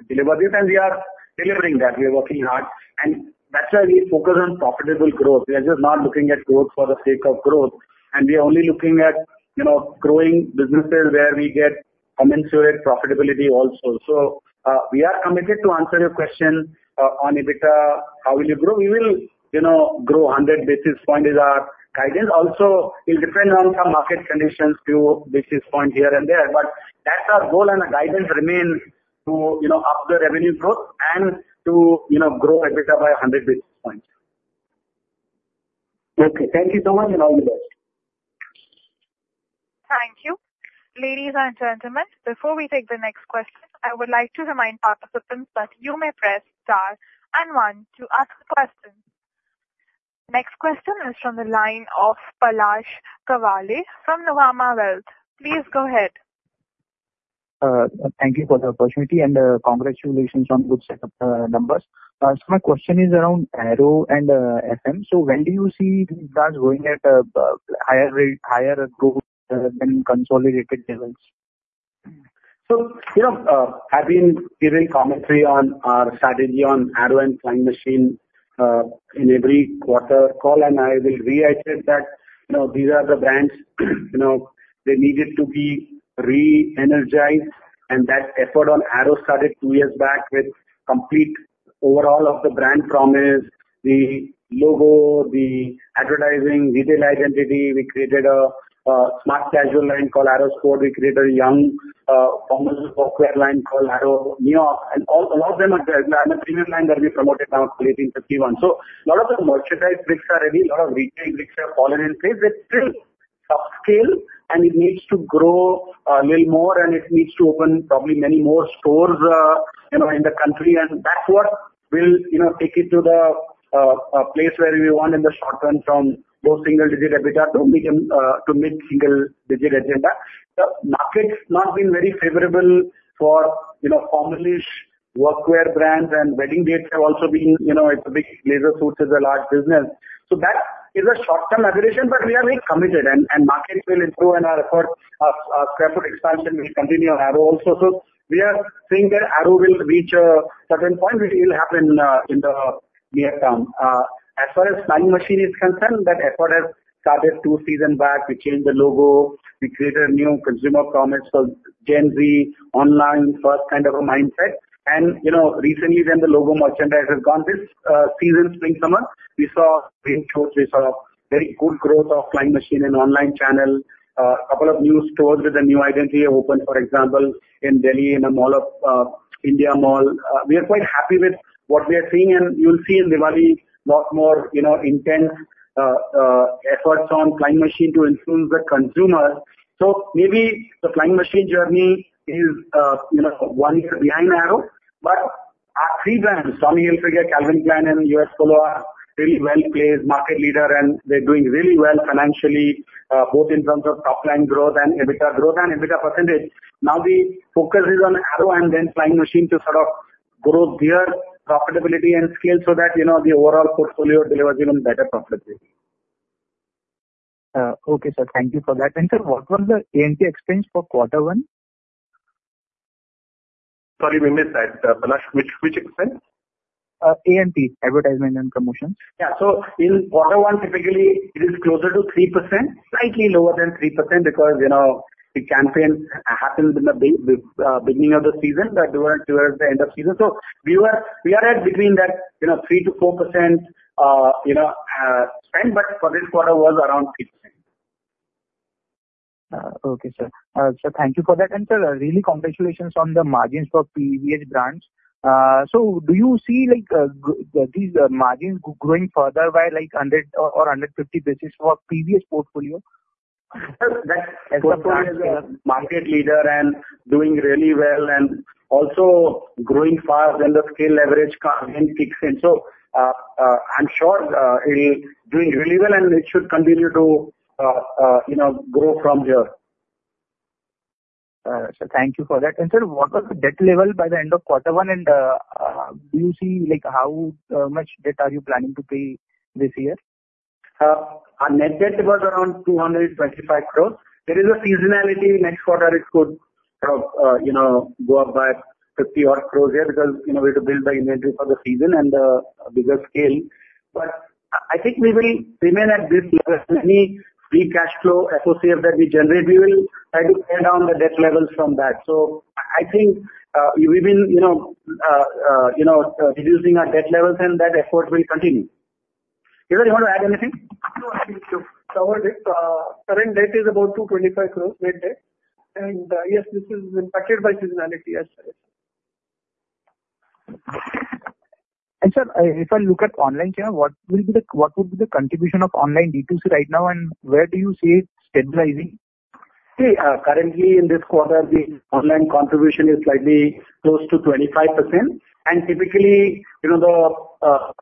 this, and we are delivering that. We are working hard. And that's why we focus on profitable growth. We are just not looking at growth for the sake of growth. And we are only looking at growing businesses where we get commensurate profitability also. So we are committed to answer your question on EBITDA, how will you grow? We will grow 100 basis points is our guidance. Also, it will depend on some market conditions two basis points here and there. But that's our goal, and our guidance remains to up the revenue growth and to grow EBITDA by 100 basis points. Okay. Thank you so much, and all the best. Thank you. Ladies and gentlemen, before we take the next question, I would like to remind participants that you may press star and one to ask a question. Next question is from the line of Palash Kavale from Nuvama Wealth. Please go ahead. Thank you for the opportunity, and congratulations on good setup numbers. So my question is around Arrow and FM. So when do you see these guys going at a higher growth than consolidated levels? So I've been giving commentary on our strategy on Arrow and Flying Machine in every quarter call, and I will reiterate that these are the brands they needed to be re-energized. That effort on Arrow started two years back with complete overhaul of the brand promise, the logo, the advertising, retail identity. We created a smart casual line called Arrow Sport. We created a young formal wear line called Arrow New York. And a lot of them are the premium line that we promoted now at 1851. So a lot of the merchandise bricks are ready. A lot of retail bricks have fallen in place. It's still upscale, and it needs to grow a little more, and it needs to open probably many more stores in the country. That's what will take it to the place where we want in the short term from low single-digit EBITDA to mid single-digit EBITDA. The market has not been very favorable for formal wear brands, and wedding dates have also been. It's a big leisure suits is a large business. So that is a short-term headwind, but we are very committed, and market will improve in our effort. Our square-foot expansion will continue on Arrow also. So we are seeing that Arrow will reach a certain point. It will happen in the near term. As far as Flying Machine is concerned, that effort has started two seasons back. We changed the logo. We created a new consumer promise. So Gen Z online first kind of a mindset. And recently, then the logo merchandise has gone. This season, spring summer, we saw very good growth of Flying Machine and online channel. A couple of new stores with a new identity have opened, for example, in Delhi in a DLF Mall of India mall. We are quite happy with what we are seeing, and you'll see in Diwali a lot more intense efforts on Flying Machine to influence the consumer. So maybe the Flying Machine journey is one year behind Arrow, but our three brands, Tommy Hilfiger, Calvin Klein, and U.S. Polo Assn., are really well-placed market leaders, and they're doing really well financially, both in terms of top-line growth and EBITDA growth and EBITDA percentage. Now the focus is on Arrow and then Flying Machine to sort of grow their profitability and scale so that the overall portfolio delivers even better profitability. Okay, sir. Thank you for that. Sir, what was the A&P expense for quarter one? Sorry, we missed that. Palash, which expense? A&P advertisement and promotions. Yeah. So in quarter one, typically, it is closer to 3%, slightly lower than 3% because the campaign happens in the beginning of the season, but towards the end of the season. So we are at between that 3%-4% spend, but for this quarter, it was around 3%. Okay, sir. Sir, thank you for that. Sir, really congratulations on the margins for PVH brands. So do you see these margins growing further by 100 or 150 basis for PVH portfolio? That's excellent. Market leader and doing really well and also growing fast, and the scale leverage can kick in. So I'm sure it'll be doing really well, and it should continue to grow from here. Sir, thank you for that. Sir, what was the debt level by the end of quarter one? Do you see how much debt are you planning to pay this year? Our net debt was around 225 crore. There is a seasonality. Next quarter, it could go up by 50 crore-60 crore here because we have to build the inventory for the season and the bigger scale. But I think we will remain at this level. Any free cash flow associated that we generate, we will try to pare down the debt levels from that. So I think we've been reducing our debt levels, and that effort will continue. Kedia, you want to add anything? No, thank you. Covered it. Current debt is about 225 crore net debt. Yes, this is impacted by seasonality. Yes, sir. Sir, if I look at online channel, what would be the contribution of online D2C right now, and where do you see it stabilizing? See, currently in this quarter, the online contribution is slightly close to 25%. Typically, the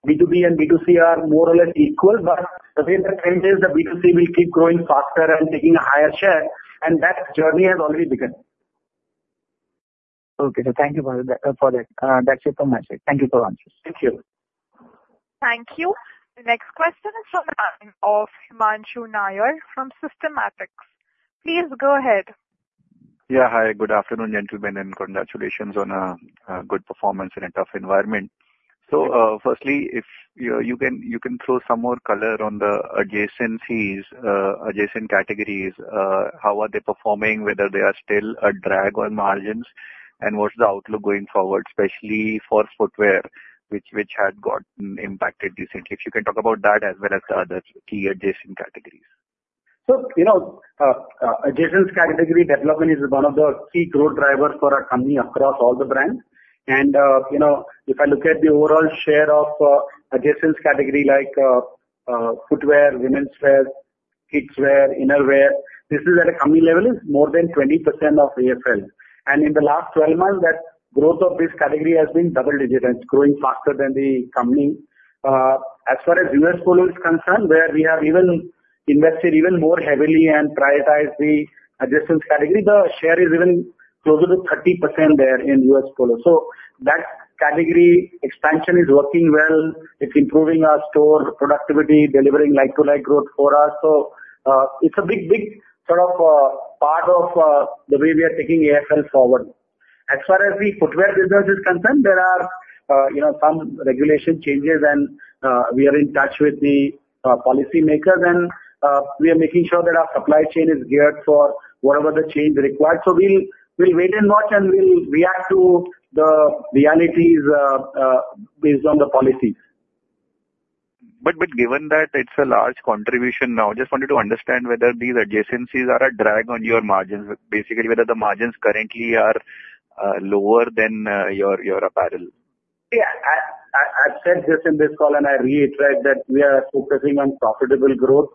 B2B and B2C are more or less equal, but the way the trend is, the B2C will keep growing faster and taking a higher share. That journey has already begun. Okay. So thank you for that. That's it from my side. Thank you for answering. Thank you. Thank you. The next question is from the line of Manju Nayar from Systematix. Please go ahead. Yeah. Hi. Good afternoon, gentlemen, and congratulations on a good performance in a tough environment. So firstly, if you can throw some more color on the adjacencies, adjacent categories, how are they performing, whether they are still a drag on margins, and what's the outlook going forward, especially for footwear, which had gotten impacted recently? If you can talk about that as well as the other key adjacent categories. So adjacent category development is one of the key growth drivers for a company across all the brands. And if I look at the overall share of adjacent category like footwear, women's wear, kids' wear, innerwear, this is at a company level is more than 20% of AFL. And in the last 12 months, that growth of this category has been double-digit and it's growing faster than the company. As far as US Polo is concerned, where we have even invested even more heavily and prioritized the adjacent category, the share is even closer to 30% there in US Polo. So that category expansion is working well. It's improving our store productivity, delivering like-to-like growth for us. So it's a big, big sort of part of the way we are taking AFL forward. As far as the footwear business is concerned, there are some regulation changes, and we are in touch with the policymakers, and we are making sure that our supply chain is geared for whatever the change requires. So we'll wait and watch, and we'll react to the realities based on the policies. But given that it's a large contribution now, I just wanted to understand whether these adjacencies are a drag on your margins, basically whether the margins currently are lower than your apparel? Yeah. I've said this in this call, and I reiterate that we are focusing on profitable growth.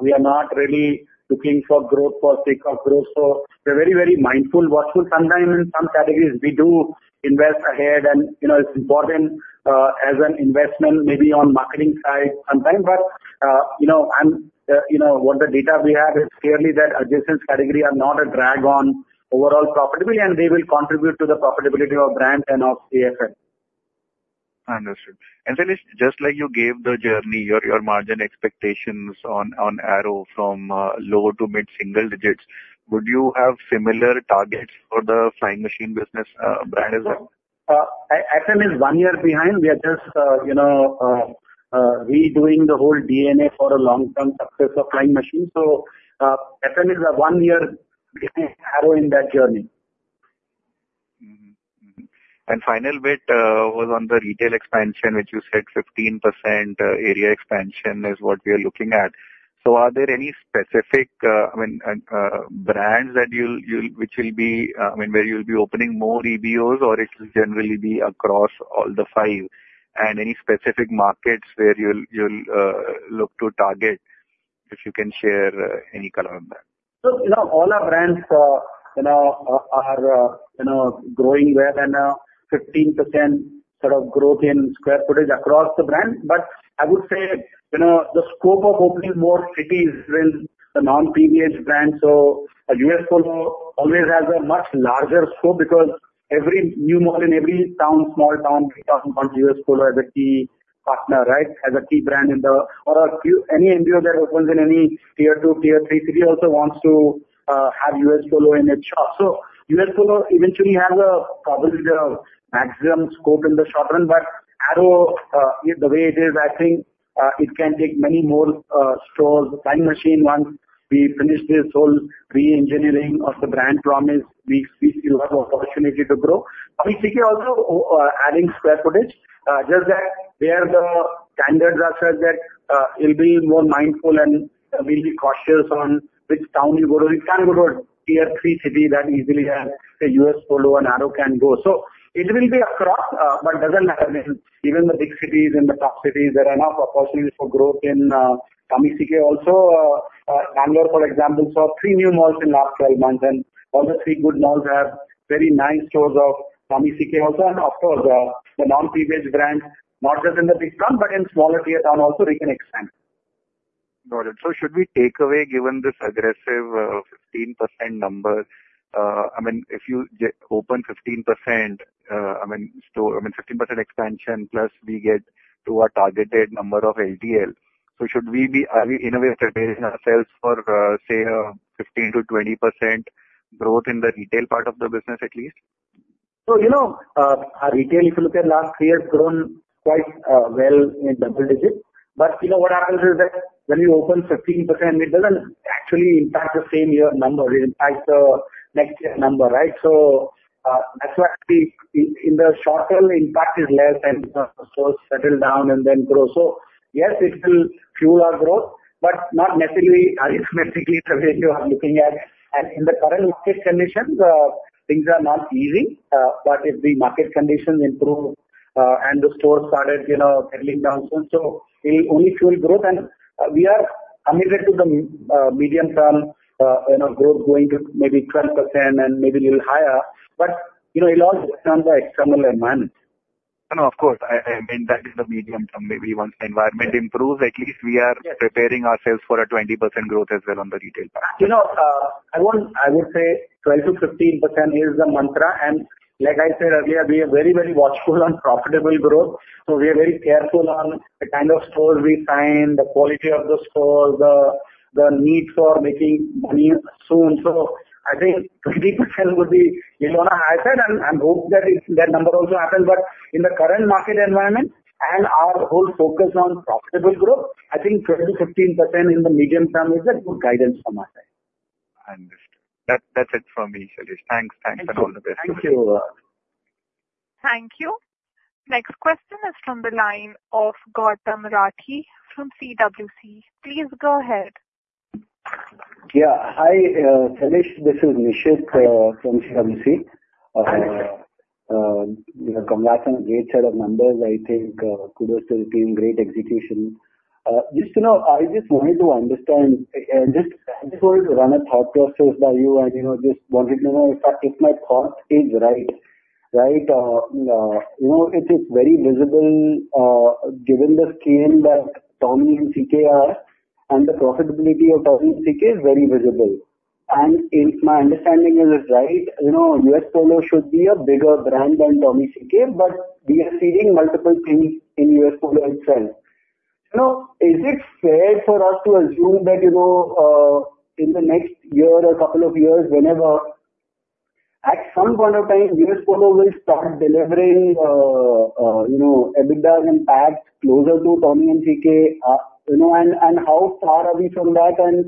We are not really looking for growth for the sake of growth. So we're very, very mindful, watchful. Sometimes in some categories, we do invest ahead, and it's important as an investment maybe on marketing side sometimes. But what the data we have is clearly that adjacent categories are not a drag on overall profitability, and they will contribute to the profitability of brand and of AFL. Understood. And Shailesh, just like you gave the journey, your margin expectations on Arrow from low to mid single digits, would you have similar targets for the Flying Machine business brand as well? FM is one year behind. We are just redoing the whole DNA for a long-term success of Flying Machine. So FM is a one-year behind Arrow in that journey. Final bit was on the retail expansion, which you said 15% area expansion is what we are looking at. So are there any specific, I mean, brands that you'll I mean, where you'll be opening more EBOs, or it will generally be across all the five? And any specific markets where you'll look to target if you can share any color on that? So all our brands are growing well and 15% sort of growth in square footage across the brand. But I would say the scope of opening more cities than the non-PVH brands. So US Polo always has a much larger scope because every new mall in every town, small town, we're talking about US Polo as a key partner, right, as a key brand in the or any MBO that opens in any tier two, tier three, city also wants to have US Polo in its shop. So US Polo eventually has a probably their maximum scope in the short term, but Arrow, the way it is, I think it can take many more stores. Flying Machine, once we finish this whole re-engineering of the brand promise, we see a lot of opportunity to grow. We seek also adding square footage, just that where the standards are such that it'll be more mindful and we'll be cautious on which town you go to. It can go to a tier three city that easily has a U.S. Polo Assn. and Arrow can go. So it will be across, but it doesn't matter. Even the big cities and the top cities, there are enough opportunities for growth in Tommy Hilfiger also. Bangalore, for example, saw three new malls in the last 12 months, and all the three good malls have very nice stores of Tommy Hilfiger also. And of course, the non-PVH brands, not just in the big town, but in smaller tier town also, they can expand. Got it. So should we take away, given this aggressive 15% number, I mean, if you open 15%, I mean, 15% expansion plus we get to our targeted number of LTL, so should we be innovating ourselves for, say, 15%-20% growth in the retail part of the business at least? So our retail, if you look at last three years, grown quite well in double digits. But what happens is that when you open 15%, it doesn't actually impact the same year number. It impacts the next year number, right? So that's why in the short term, the impact is less and stores settle down and then grow. So yes, it will fuel our growth, but not necessarily arithmetically the way you are looking at. And in the current market conditions, things are not easy. But if the market conditions improve and the stores started settling down soon, so it'll only fuel growth. And we are committed to the medium-term growth going to maybe 12% and maybe a little higher, but it all depends on the external environment. No, of course. I mean, that is the medium-term. Maybe once the environment improves, at least we are preparing ourselves for a 20% growth as well on the retail part. I would say 12%-15% is the mantra. And like I said earlier, we are very, very watchful on profitable growth. So we are very careful on the kind of stores we sign, the quality of the stores, the need for making money soon. So I think 20% would be a little on the high side, and I hope that that number also happens. But in the current market environment and our whole focus on profitable growth, I think 12%-15% in the medium-term is a good guidance for my side. Understood. That's it from me, Shailesh. Thanks. Thanks, and all the best to you. Thank you. Thank you. Next question is from the line of Gautam Rathi from CWC. Please go ahead. Yeah. Hi, Shailesh. This is Nishith from CWC. Congrats on a great set of numbers. I think kudos to the team. Great execution. Just to know, I just wanted to understand, just wanted to run a thought process by you, and just wanted to know if my thought is right, right? It is very visible given the scale that Tommy Hilfiger has, and the profitability of Tommy Hilfiger is very visible. And if my understanding is right, U.S. Polo Assn. should be a bigger brand than Tommy Hilfiger, but we are seeing multiple things in U.S. Polo Assn. itself. Is it fair for us to assume that in the next year or a couple of years, whenever at some point of time, U.S. Polo Assn. will start delivering EBITDA impact closer to Tommy Hilfiger? And how far are we from that? And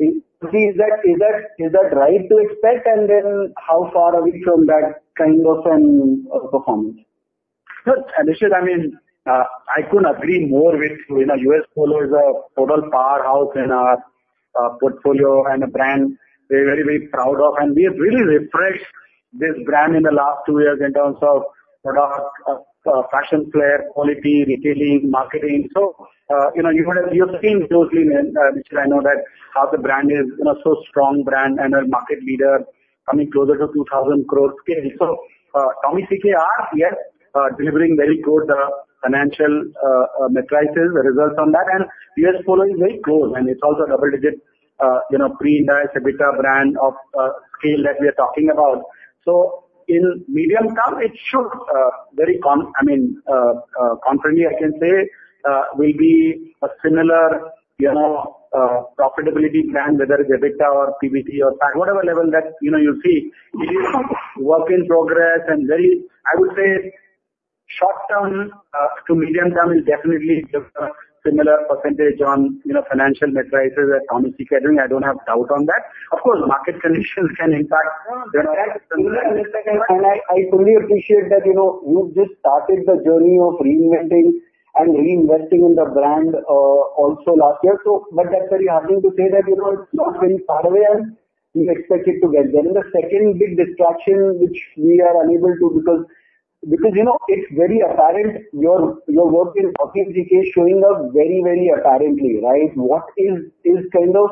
is that right to expect? And then how far are we from that kind of performance? No, Shailesh, I mean, I couldn't agree more with you. U.S. Polo Assn. is a total powerhouse in our portfolio and a brand we're very, very proud of. And we have really refreshed this brand in the last two years in terms of product, fashion flair, quality, retailing, marketing. So you've seen closely, Nishith, I know that how the brand is a so strong brand and a market leader coming closer to 2,000 crore scale. So Tommy Hilfiger, yes, delivering very good financial metrics, the results on that. And U.S. Polo Assn. is very close, and it's also a double-digit pre-Ind AS EBITDA brand of scale that we are talking about. So in medium term, it should very confidently, I can say, will be a similar profitability brand, whether it's EBITDA or PBT or whatever level that you'll see. It is a work in progress, and very, I would say, short term to medium term is definitely similar percentage on financial metrics that Tommy Hilfiger is doing. I don't have doubt on that. Of course, market conditions can impact. And I fully appreciate that you've just started the journey of reinventing and reinvesting in the brand also last year. But that's very heartening to say that it's not very far away, and we expect it to get there. And the second big distraction, which we are unable to, because it's very apparent, your work in Tommy Hilfiger is showing up very, very apparently, right? What is kind of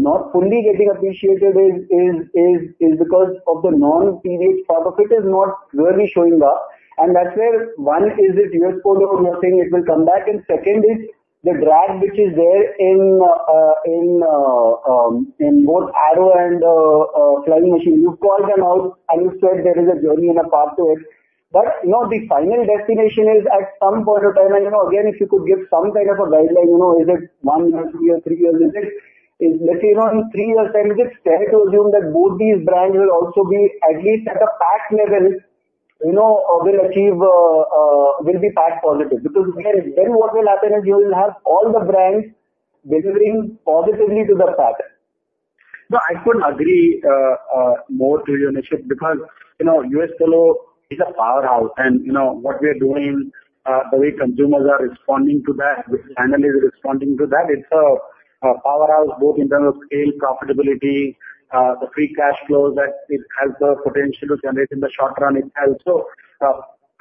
not fully getting appreciated is because of the non-PVH part of it is not really showing up. And that's where one is it U.S. Polo, you're saying it will come back. Second is the drag, which is there in both Arrow and Flying Machine. You've called them out, and you've said there is a journey and a path to it. But the final destination is at some point of time, and again, if you could give some kind of a guideline, is it one, two, or three years? Let's say in three years' time, is it fair to assume that both these brands will also be at least at a PAT level, will be PAT positive? Because then what will happen is you will have all the brands delivering positively to the PAT. No, I couldn't agree more to you, Nishith, because US Polo is a powerhouse. What we are doing, the way consumers are responding to that, which channel is responding to that, it's a powerhouse both in terms of scale, profitability, the free cash flows that it has the potential to generate in the short term itself. So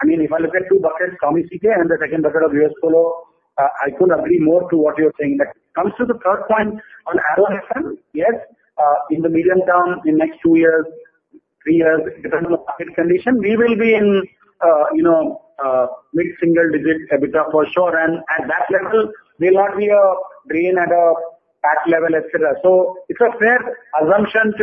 I mean, if I look at two buckets, Tommy Hilfiger and the second bucket of U.S. Polo Assn., I couldn't agree more to what you're saying. That comes to the third point on Arrow FM, yes, in the medium term in next two years, three years, depending on the market condition, we will be in mid-single digit EBITDA for sure. And at that level, we'll not be a drain at a PAT level, etc. So it's a fair assumption,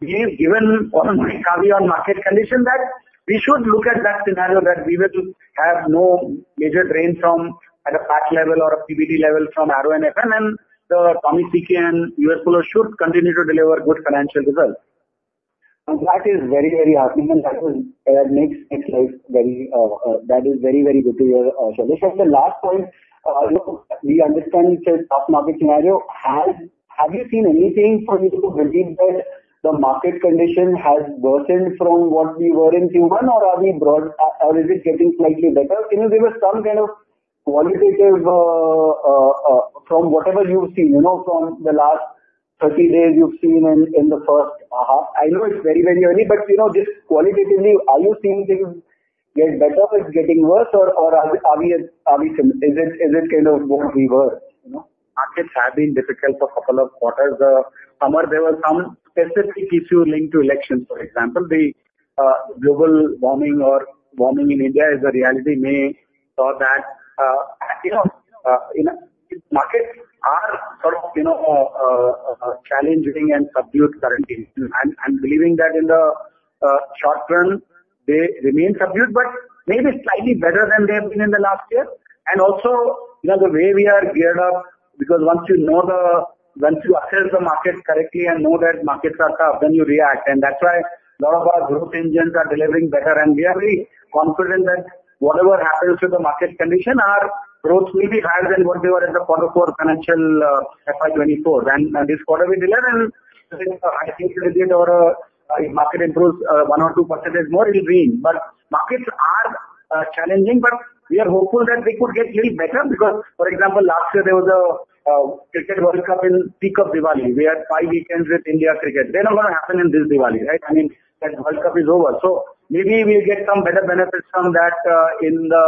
given all my caveat on market condition, that we should look at that scenario that we will have no major drain from at a PAT level or a PBT level from Arrow and FM, and the Tommy Hilfiger and U.S. Polo Assn. should continue to deliver good financial results. That is very, very heartening, and that makes life very, that is very, very good to hear, Shailesh. And the last point, we understand the top market scenario. Have you seen anything for you to believe that the market condition has worsened from what we were in Q1, or are we broad, or is it getting slightly better? Give us some kind of qualitative from whatever you've seen from the last 30 days you've seen in the first half. I know it's very, very early, but just qualitatively, are you seeing things get better or getting worse, or are we similar? Is it kind of what we were? Markets have been difficult for a couple of quarters. There were some specific issues linked to elections, for example. The global warming or warming in India is a reality we saw that markets are sort of challenging and subdued currently. I'm believing that in the short term, they remain subdued, but maybe slightly better than they have been in the last year. And also the way we are geared up, because once you assess the markets correctly and know that markets are tough, then you react. And that's why a lot of our growth engines are delivering better. And we are very confident that whatever happens to the market condition, our growth will be higher than what we were in the quarter four financial FY24. And this quarter, we delivered in high single digit or if market improves one or two percentage more, it'll rain. But markets are challenging, but we are hopeful that we could get a little better because, for example, last year there was a cricket World Cup in peak of Diwali. We had 5 weekends with India cricket. They're not going to happen in this Diwali, right? I mean, that World Cup is over. So maybe we'll get some better benefits from that in the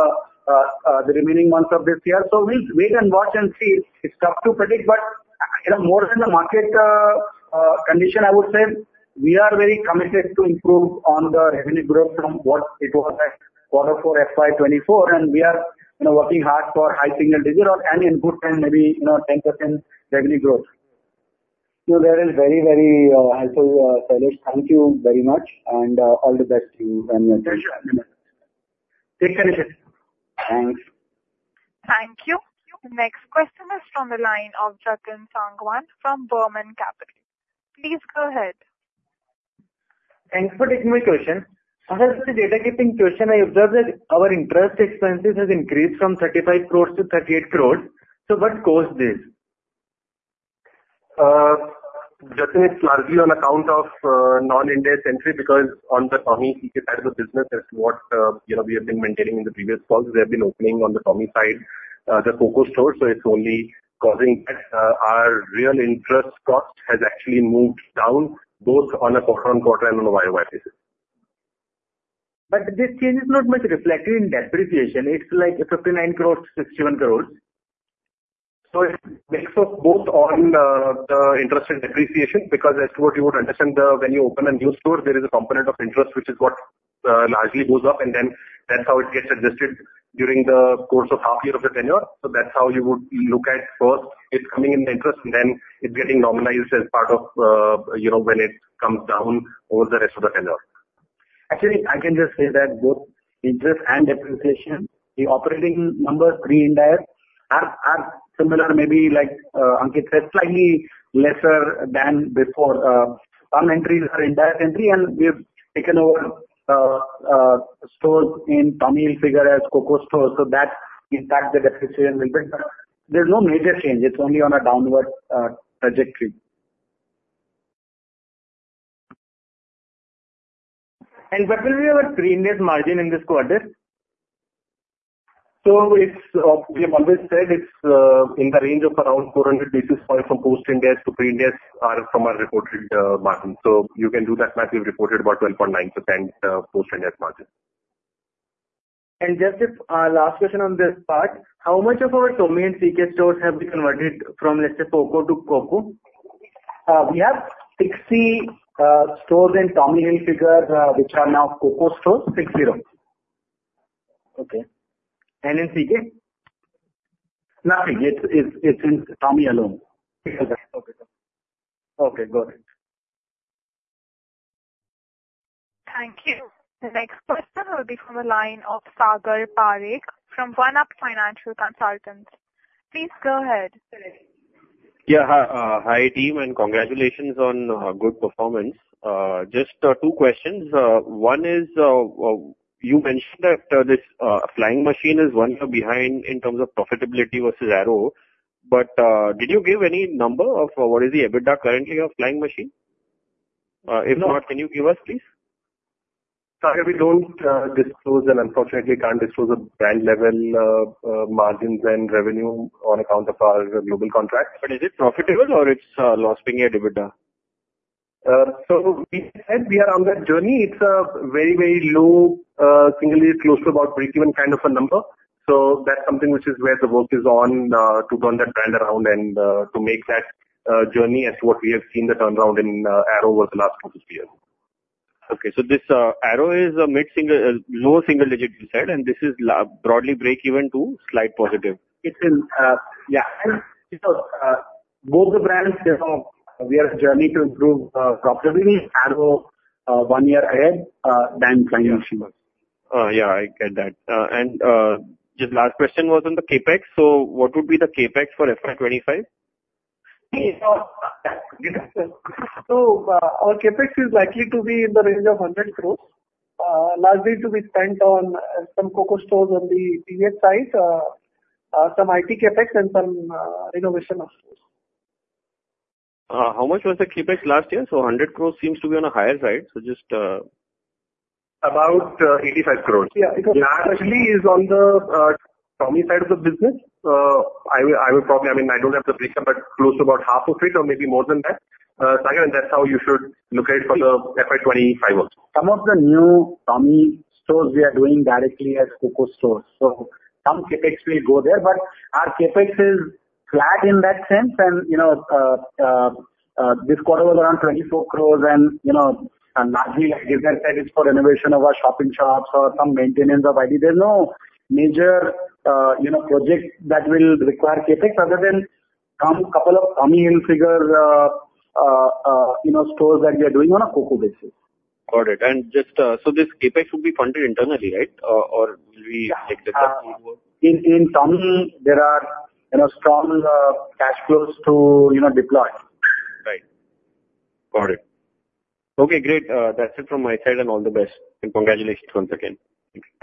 remaining months of this year. So we'll wait and watch and see. It's tough to predict, but more than the market condition, I would say we are very committed to improve on the revenue growth from what it was at quarter four FY24, and we are working hard for high single digit and in good time, maybe 10% revenue growth. That is very, very helpful, Shesh. Thank you very much, and all the best to you and your team. Take care, Nishith. Thanks. Thank you. Next question is from the line of Jatan Sangwan from Burman Capital. Please go ahead. Thanks for taking my question. As a data keeping question, I observed that our interest expenses have increased from 35 crore to 38 crore. What caused this? Jatan, it's largely on account of non-India inventory because on the Tommy Hilfiger side of the business, that's what we have been maintaining in the previous calls. We have been opening on the Tommy Hilfiger side, the COCO store, so it's only causing. But our real interest cost has actually moved down both on a quarter-on-quarter and on a YOY basis. But this change is not much reflected in depreciation. It's like 59 crore, 61 crore. So it's a mix of both on the interest and depreciation because as to what you would understand, when you open a new store, there is a component of interest, which is what largely goes up, and then that's how it gets adjusted during the course of half year of the tenure. So that's how you would look at first. It's coming in the interest, and then it's getting normalized as part of when it comes down over the rest of the tenure. Actually, I can just say that both interest and depreciation, the operating numbers pre-indirect are similar, maybe like Ankit said, slightly lesser than before. Some entries are indirect entry, and we've taken over stores in Tommy Hilfiger as COCO stores. So that impacts the depreciation a little bit, but there's no major change. It's only on a downward trajectory. What will be your pre-indirect margin in this quarter? We have always said it's in the range of around 400 basis points from post-Ind AS to pre-Ind AS from our reported margin. You can do that math. We've reported about 12.9% post-Ind AS margin. Just our last question on this part, how much of our Tommy Hilfiger stores have been converted from, let's say, FOCO to COCO? We have 60 stores in Tommy and Flying Machine, which are now COCO stores, 60. Okay. And in Tommy Hilfiger? Nothing. It's in Tommy alone. Okay. Okay. Okay. Got it. Thank you. Next question will be from the line of Sagar Parekh from OneUp Financial Consultants. Please go ahead. Yeah. Hi, team, and congratulations on good performance. Just two questions. One is you mentioned that this Flying Machine is one year behind in terms of profitability versus Arrow, but did you give any number of what is the EBITDA currently of Flying Machine? If not, can you give us, please? We don't disclose and unfortunately can't disclose the brand level margins and revenue on account of our global contracts. But is it profitable, or it's lost being EBITDA? So we said we are on that journey. It's a very, very low single digit, close to about break-even kind of a number. So that's something which is where the work is on to turn that brand around and to make that journey as to what we have seen the turnaround in Arrow over the last 2 to 3 years. Okay. So this Arrow is a mid-single, low single digit, you said, and this is broadly break-even to slight positive. It's in, yeah. Both the brands, we are on a journey to improve profitability. Arrow one year ahead than Flying Machine. Yeah, I get that. Just last question was on the CAPEX. What would be the CAPEX for FY25? So our CAPEX is likely to be in the range of 100 crore. Largely to be spent on some COCO stores on the TVS side, some IT CAPEX, and some renovation of stores. How much was the CAPEX last year? So, 100 crore seems to be on a higher side. So just. About 85 crore. Yeah. It actually is on the Tommy side of the business. I mean, I don't have the breakdown, but close to about half of it or maybe more than that. So again, that's how you should look at it for the FY25 also. Some of the new Tommy stores we are doing directly as COCO stores. So some CAPEX will go there, but our CAPEX is flat in that sense. This quarter was around 24 crore, and largely, like Girdhar said, it's for renovation of our shop-in-shops or some maintenance of IT. There's no major project that will require CAPEX other than a couple of Tommy and Flying Machine stores that we are doing on a COCO basis. Got it. Just so this CAPEX would be funded internally, right? Or will we take this up? In Tommy, there are strong cash flows to deploy. Right. Got it. Okay. Great. That's it from my side, and all the best. And congratulations once again.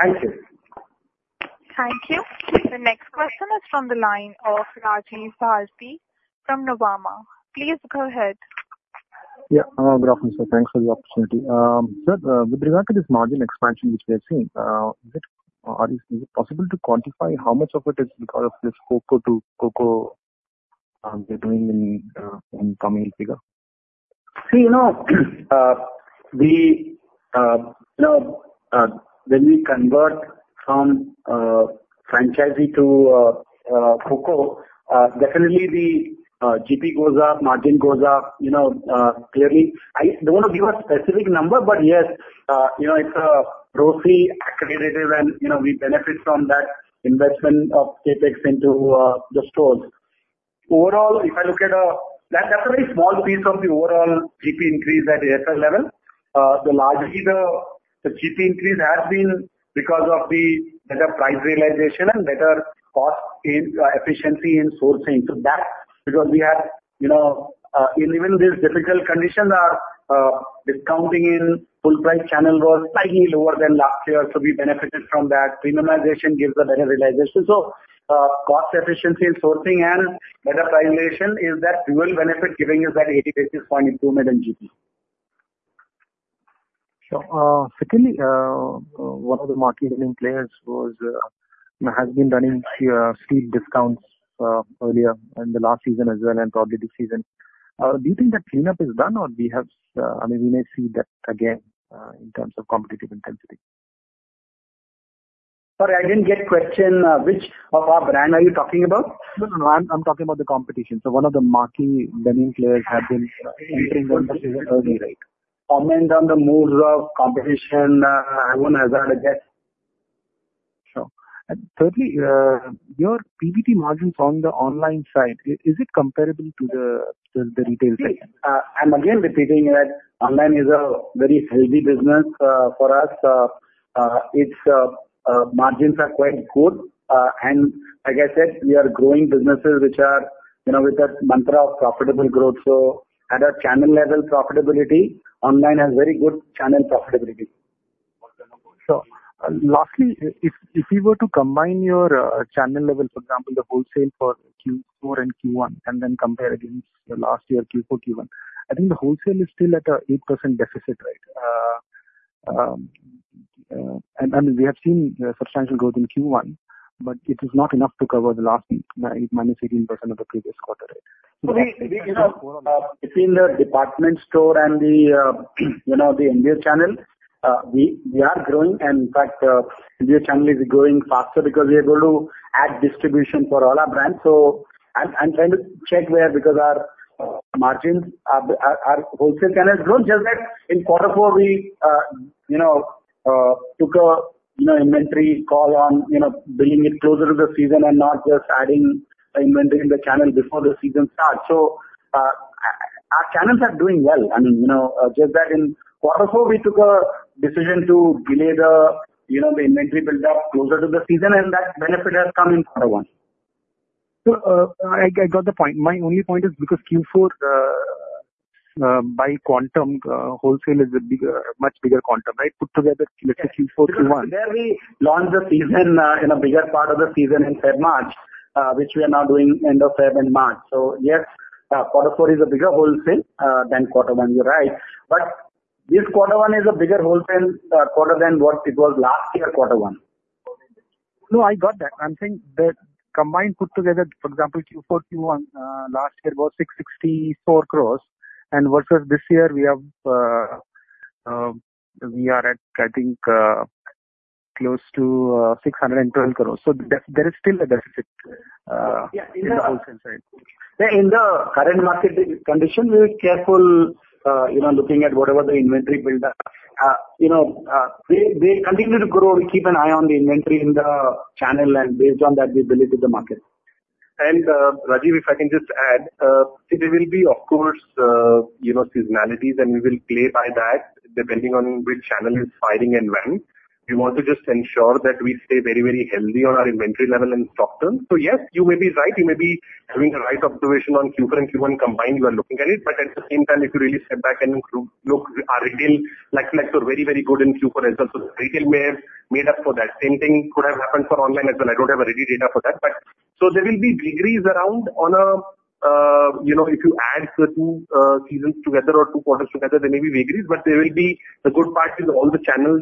Thank you. Thank you. The next question is from the line of Rajneesh from Nuvama. Please go ahead. Yeah. I'm an analyst. Thanks for the opportunity. Sir, with regard to this margin expansion which we have seen, is it possible to quantify how much of it is because of this COCO to COCO we're doing in Tommy and CK? See, when we convert from franchisee to COCO, definitely the GP goes up, margin goes up clearly. I don't want to give a specific number, but yes, it's a grossly accretive, and we benefit from that investment of CAPEX into the stores. Overall, if I look at, that's a very small piece of the overall GP increase at the SL level. Largely, the GP increase has been because of the better price realization and better cost efficiency in sourcing. So that's because, even in these difficult conditions, our discounting in full price channel was slightly lower than last year. So we benefited from that. Premiumization gives a better realization. So cost efficiency in sourcing and better price realization is that dual benefit giving us that 80 basis points improvement in GP. Sure. Secondly, one of the marketing players has been running steep discounts earlier in the last season as well and probably this season. Do you think that cleanup is done or we have, I mean, we may see that again in terms of competitive intensity? Sorry, I didn't get the question. Which of our brand are you talking about? No, no, no. I'm talking about the competition. One of the marketing players has been entering the industry early, right? Comment on the moves of competition. Everyone has had a guess. Sure. Thirdly, your PBT margins on the online side, is it comparable to the retail side? I'm again repeating that online is a very healthy business for us. Its margins are quite good. And like I said, we are growing businesses which are with that mantra of profitable growth. So at a channel level profitability, online has very good channel profitability. Sure. Lastly, if we were to combine your channel level, for example, the wholesale for Q4 and Q1, and then compare against last year Q4, Q1, I think the wholesale is still at an 8% deficit, right? And I mean, we have seen substantial growth in Q1, but it is not enough to cover the last -18% of the previous quarter, right? So between the department store and the MBO channel, we are growing. And in fact, MBO channel is growing faster because we are able to add distribution for all our brands. So I'm trying to check where because our margins, our wholesale channel has grown. Just that in quarter four, we took an inventory call on bringing it closer to the season and not just adding inventory in the channel before the season starts. So our channels are doing well. I mean, just that in quarter four, we took a decision to delay the inventory buildup closer to the season, and that benefit has come in quarter one. I got the point. My only point is because Q4 by quantum, wholesale is a much bigger quantum, right? Put together, let's say Q4, Q1. We launched the season in a bigger part of the season in February, March, which we are now doing end of February and March. So yes, quarter four is a bigger wholesale than quarter one, you're right. But this quarter one is a bigger wholesale quarter than what it was last year, quarter one. No, I got that. I'm saying that combined put together, for example, Q4, Q1 last year was 664 crores. Versus this year, we are at, I think, close to 612 crores. So there is still a deficit in the wholesale side. In the current market condition, we're careful looking at whatever the inventory buildup. We continue to grow, keep an eye on the inventory in the channel, and based on that, we validate the market. And Rajiv, if I can just add, there will be, of course, seasonalities, and we will play by that depending on which channel is fighting and when. We want to just ensure that we stay very, very healthy on our inventory level and stock terms. So yes, you may be right. You may be having the right observation on Q4 and Q1 combined. You are looking at it. But at the same time, if you really step back and look, our retail likes to very, very good in Q4 as well. So retail may have made up for that. Same thing could have happened for online as well. I don't have ready data for that. There will be degrees around on a if you add certain seasons together or 2 quarters together, there may be degrees, but the good part is all the channels;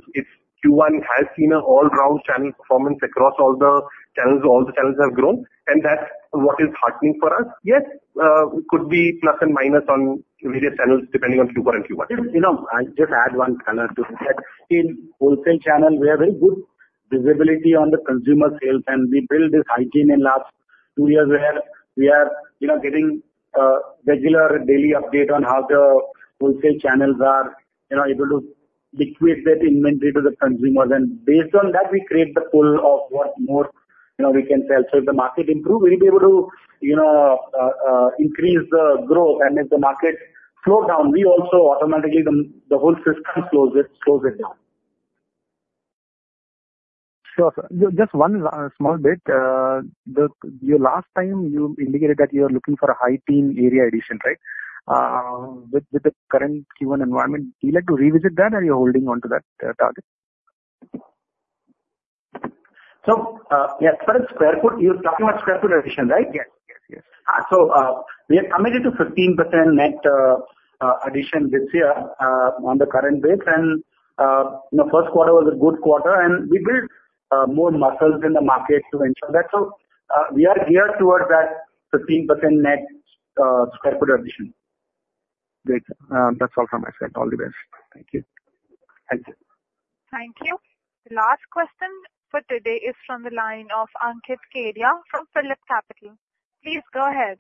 if Q1 has seen an all-around channel performance across all the channels, all the channels have grown. And that's what is heartening for us. Yes, it could be plus and minus on various channels depending on Q4 and Q1. Just add one color to that. In wholesale channel, we have very good visibility on the consumer sales, and we built this hygiene in the last two years where we are getting regular daily update on how the wholesale channels are able to liquidate that inventory to the consumers. Based on that, we create the pull of what more we can sell. So if the market improves, we'll be able to increase the growth. If the market slows down, we also automatically the whole system slows it down. Sure. Just one small bit. Last time, you indicated that you are looking for a high-teens area addition, right? With the current Q1 environment, do you like to revisit that, or are you holding on to that target? Yes, but it's sq ft. You're talking about sq ft addition, right? Yes. Yes. Yes. So we have committed to 15% net addition this year on the current base. And the first quarter was a good quarter, and we built more muscles in the market to ensure that. So we are geared towards that 15% net sq ft addition. Great. That's all from my side. All the best. Thank you. Thank you. Thank you. The last question for today is from the line of Ankit Kedia from PhillipCapital. Please go ahead.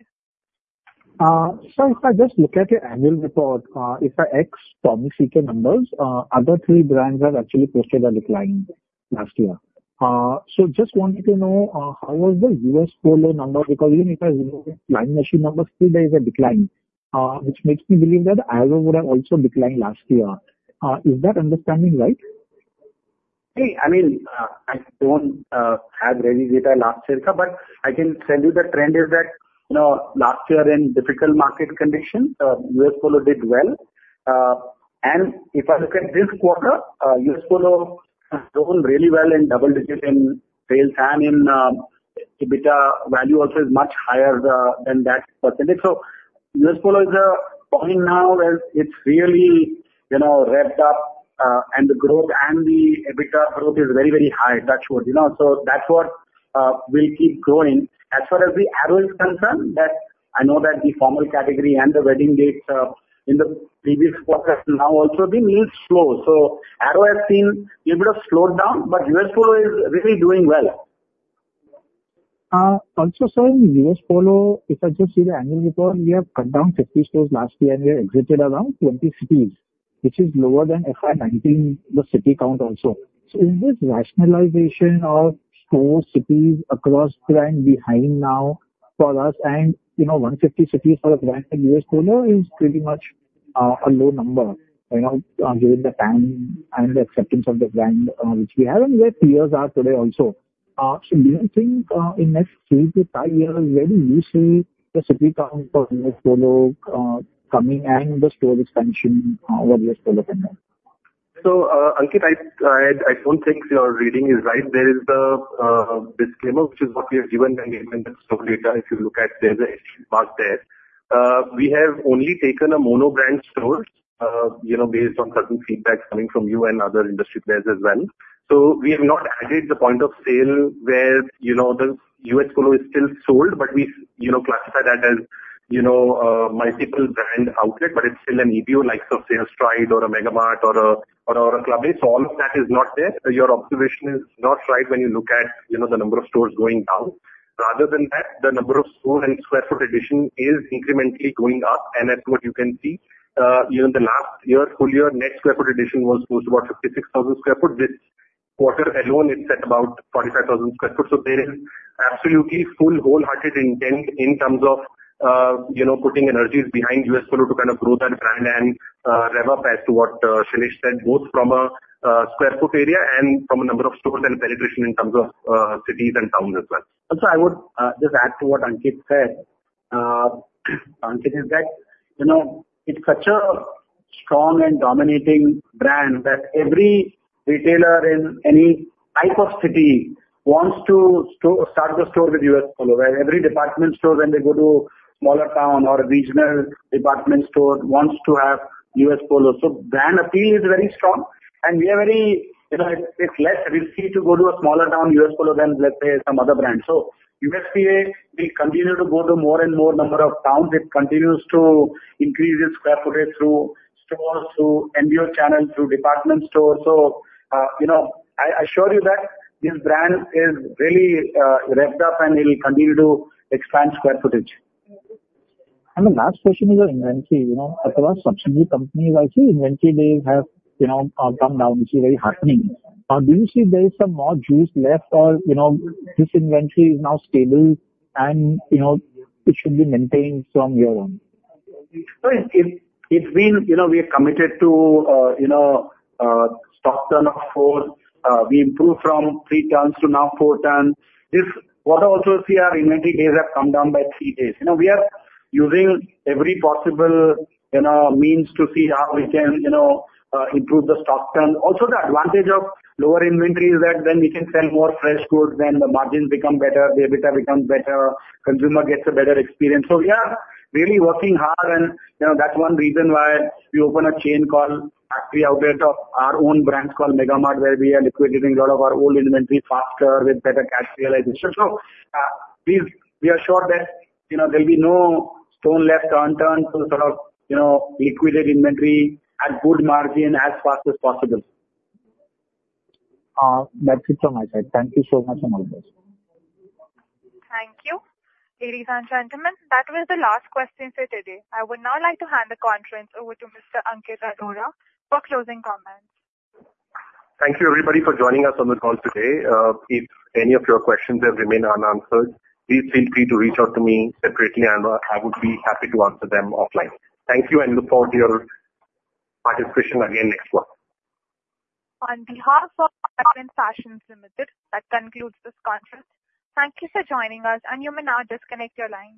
Sir, if I just look at the annual report, if I ex Tommy and PVH numbers, other three brands have actually posted a decline last year. So just wanted to know how was the U.S. Polo number? Because even if I look at Flying Machine numbers, still there is a decline, which makes me believe that Arrow would have also declined last year. Is that understanding right? Hey, I mean, I don't have ready data last year, but I can tell you the trend is that last year in difficult market conditions, U.S. Polo Assn. did well. And if I look at this quarter, U.S. Polo Assn. has grown really well in double digit in sales and in EBITDA value also is much higher than that percentage. So U.S. Polo Assn. is a point now where it's really revved up, and the growth and the EBITDA growth is very, very high. That's what. So that's what will keep growing. As far as the Arrow is concerned, I know that the formal category and the wedding dates in the previous quarter have now also been a little slow. So Arrow has been a bit of slowed down, but U.S. Polo Assn. is really doing well. Also, sir, in U.S. Polo Assn., if I just see the annual report, we have cut down 50 stores last year, and we have exited around 20 cities, which is lower than FY19, the city count also. So is this rationalization of stores, cities across brand behind now for us and 150 cities for a brand like U.S. Polo Assn. is pretty much a low number given the time and the acceptance of the brand which we have and where peers are today also. So do you think in next 3-5 years, where do you see the city count for U.S. Polo Assn. coming and the store expansion over the U.S. Polo Assn. pending? So Ankit, I don't think your reading is right. There is the disclaimer, which is what we have given in the stock data. If you look at, there's a hash mark there. We have only taken a monobrand store based on certain feedback coming from you and other industry players as well. So we have not added the point of sale where U.S. Polo Assn. is still sold, but we classify that as multiple brand outlet, but it's still an EBO like a Stride or a Megamart or a Club A. So all of that is not there. Your observation is not right when you look at the number of stores going down. Rather than that, the number of stores and square foot addition is incrementally going up. And that's what you can see. In the last year, full year, net square foot addition was close to about 56,000 sq ft. This quarter alone, it's at about 45,000 sq ft. So there is absolutely full wholehearted intent in terms of putting energies behind U.S. Polo Assn. to kind of grow that brand and rev up as to what Shailesh said, both from a square foot area and from a number of stores and penetration in terms of cities and towns as well. Also, I would just add to what Ankit said. Ankit is that it's such a strong and dominating brand that every retailer in any type of city wants to start the store with U.S. Polo Assn., where every department store, when they go to a smaller town or a regional department store, wants to have U.S. Polo Assn. So brand appeal is very strong. And it's less risky to go to a smaller town U.S. Polo Assn. than, let's say, some other brands. So U.S. Polo Assn., we continue to go to more and more number of towns. It continues to increase its square footage through stores, through MBO channels, through department stores. So I assure you that this brand is really revved up, and it will continue to expand square footage. The last question is on inventory. At the last subsidiary companies I see, inventory days have come down. You see, very heartening. Do you see there is some more juice left or this inventory is now stable and it should be maintained from here on? So it means we are committed to stock turn of 4. We improved from 3 turns to now 4 turns. This quarter also, see, our inventory days have come down by 3 days. We are using every possible means to see how we can improve the stock turn. Also, the advantage of lower inventory is that then we can sell more fresh goods and the margins become better. The EBITDA becomes better. Consumer gets a better experience. So we are really working hard, and that's one reason why we open a chain called factory outlet of our own brands called Megamart, where we are liquidating a lot of our old inventory faster with better cash realization. So we are sure that there will be no stone left unturned to sort of liquidate inventory at good margin as fast as possible. That's it from my side. Thank you so much on all this. Thank you. Ladies and gentlemen, that was the last question for today. I would now like to hand the conference over to Mr. Ankit Arora for closing comments. Thank you, everybody, for joining us on the call today. If any of your questions have remained unanswered, please feel free to reach out to me separately, and I would be happy to answer them offline. Thank you, and look forward to your participation again next month. On behalf of Arvind Fashions Limited, that concludes this conference. Thank you for joining us, and you may now disconnect your line.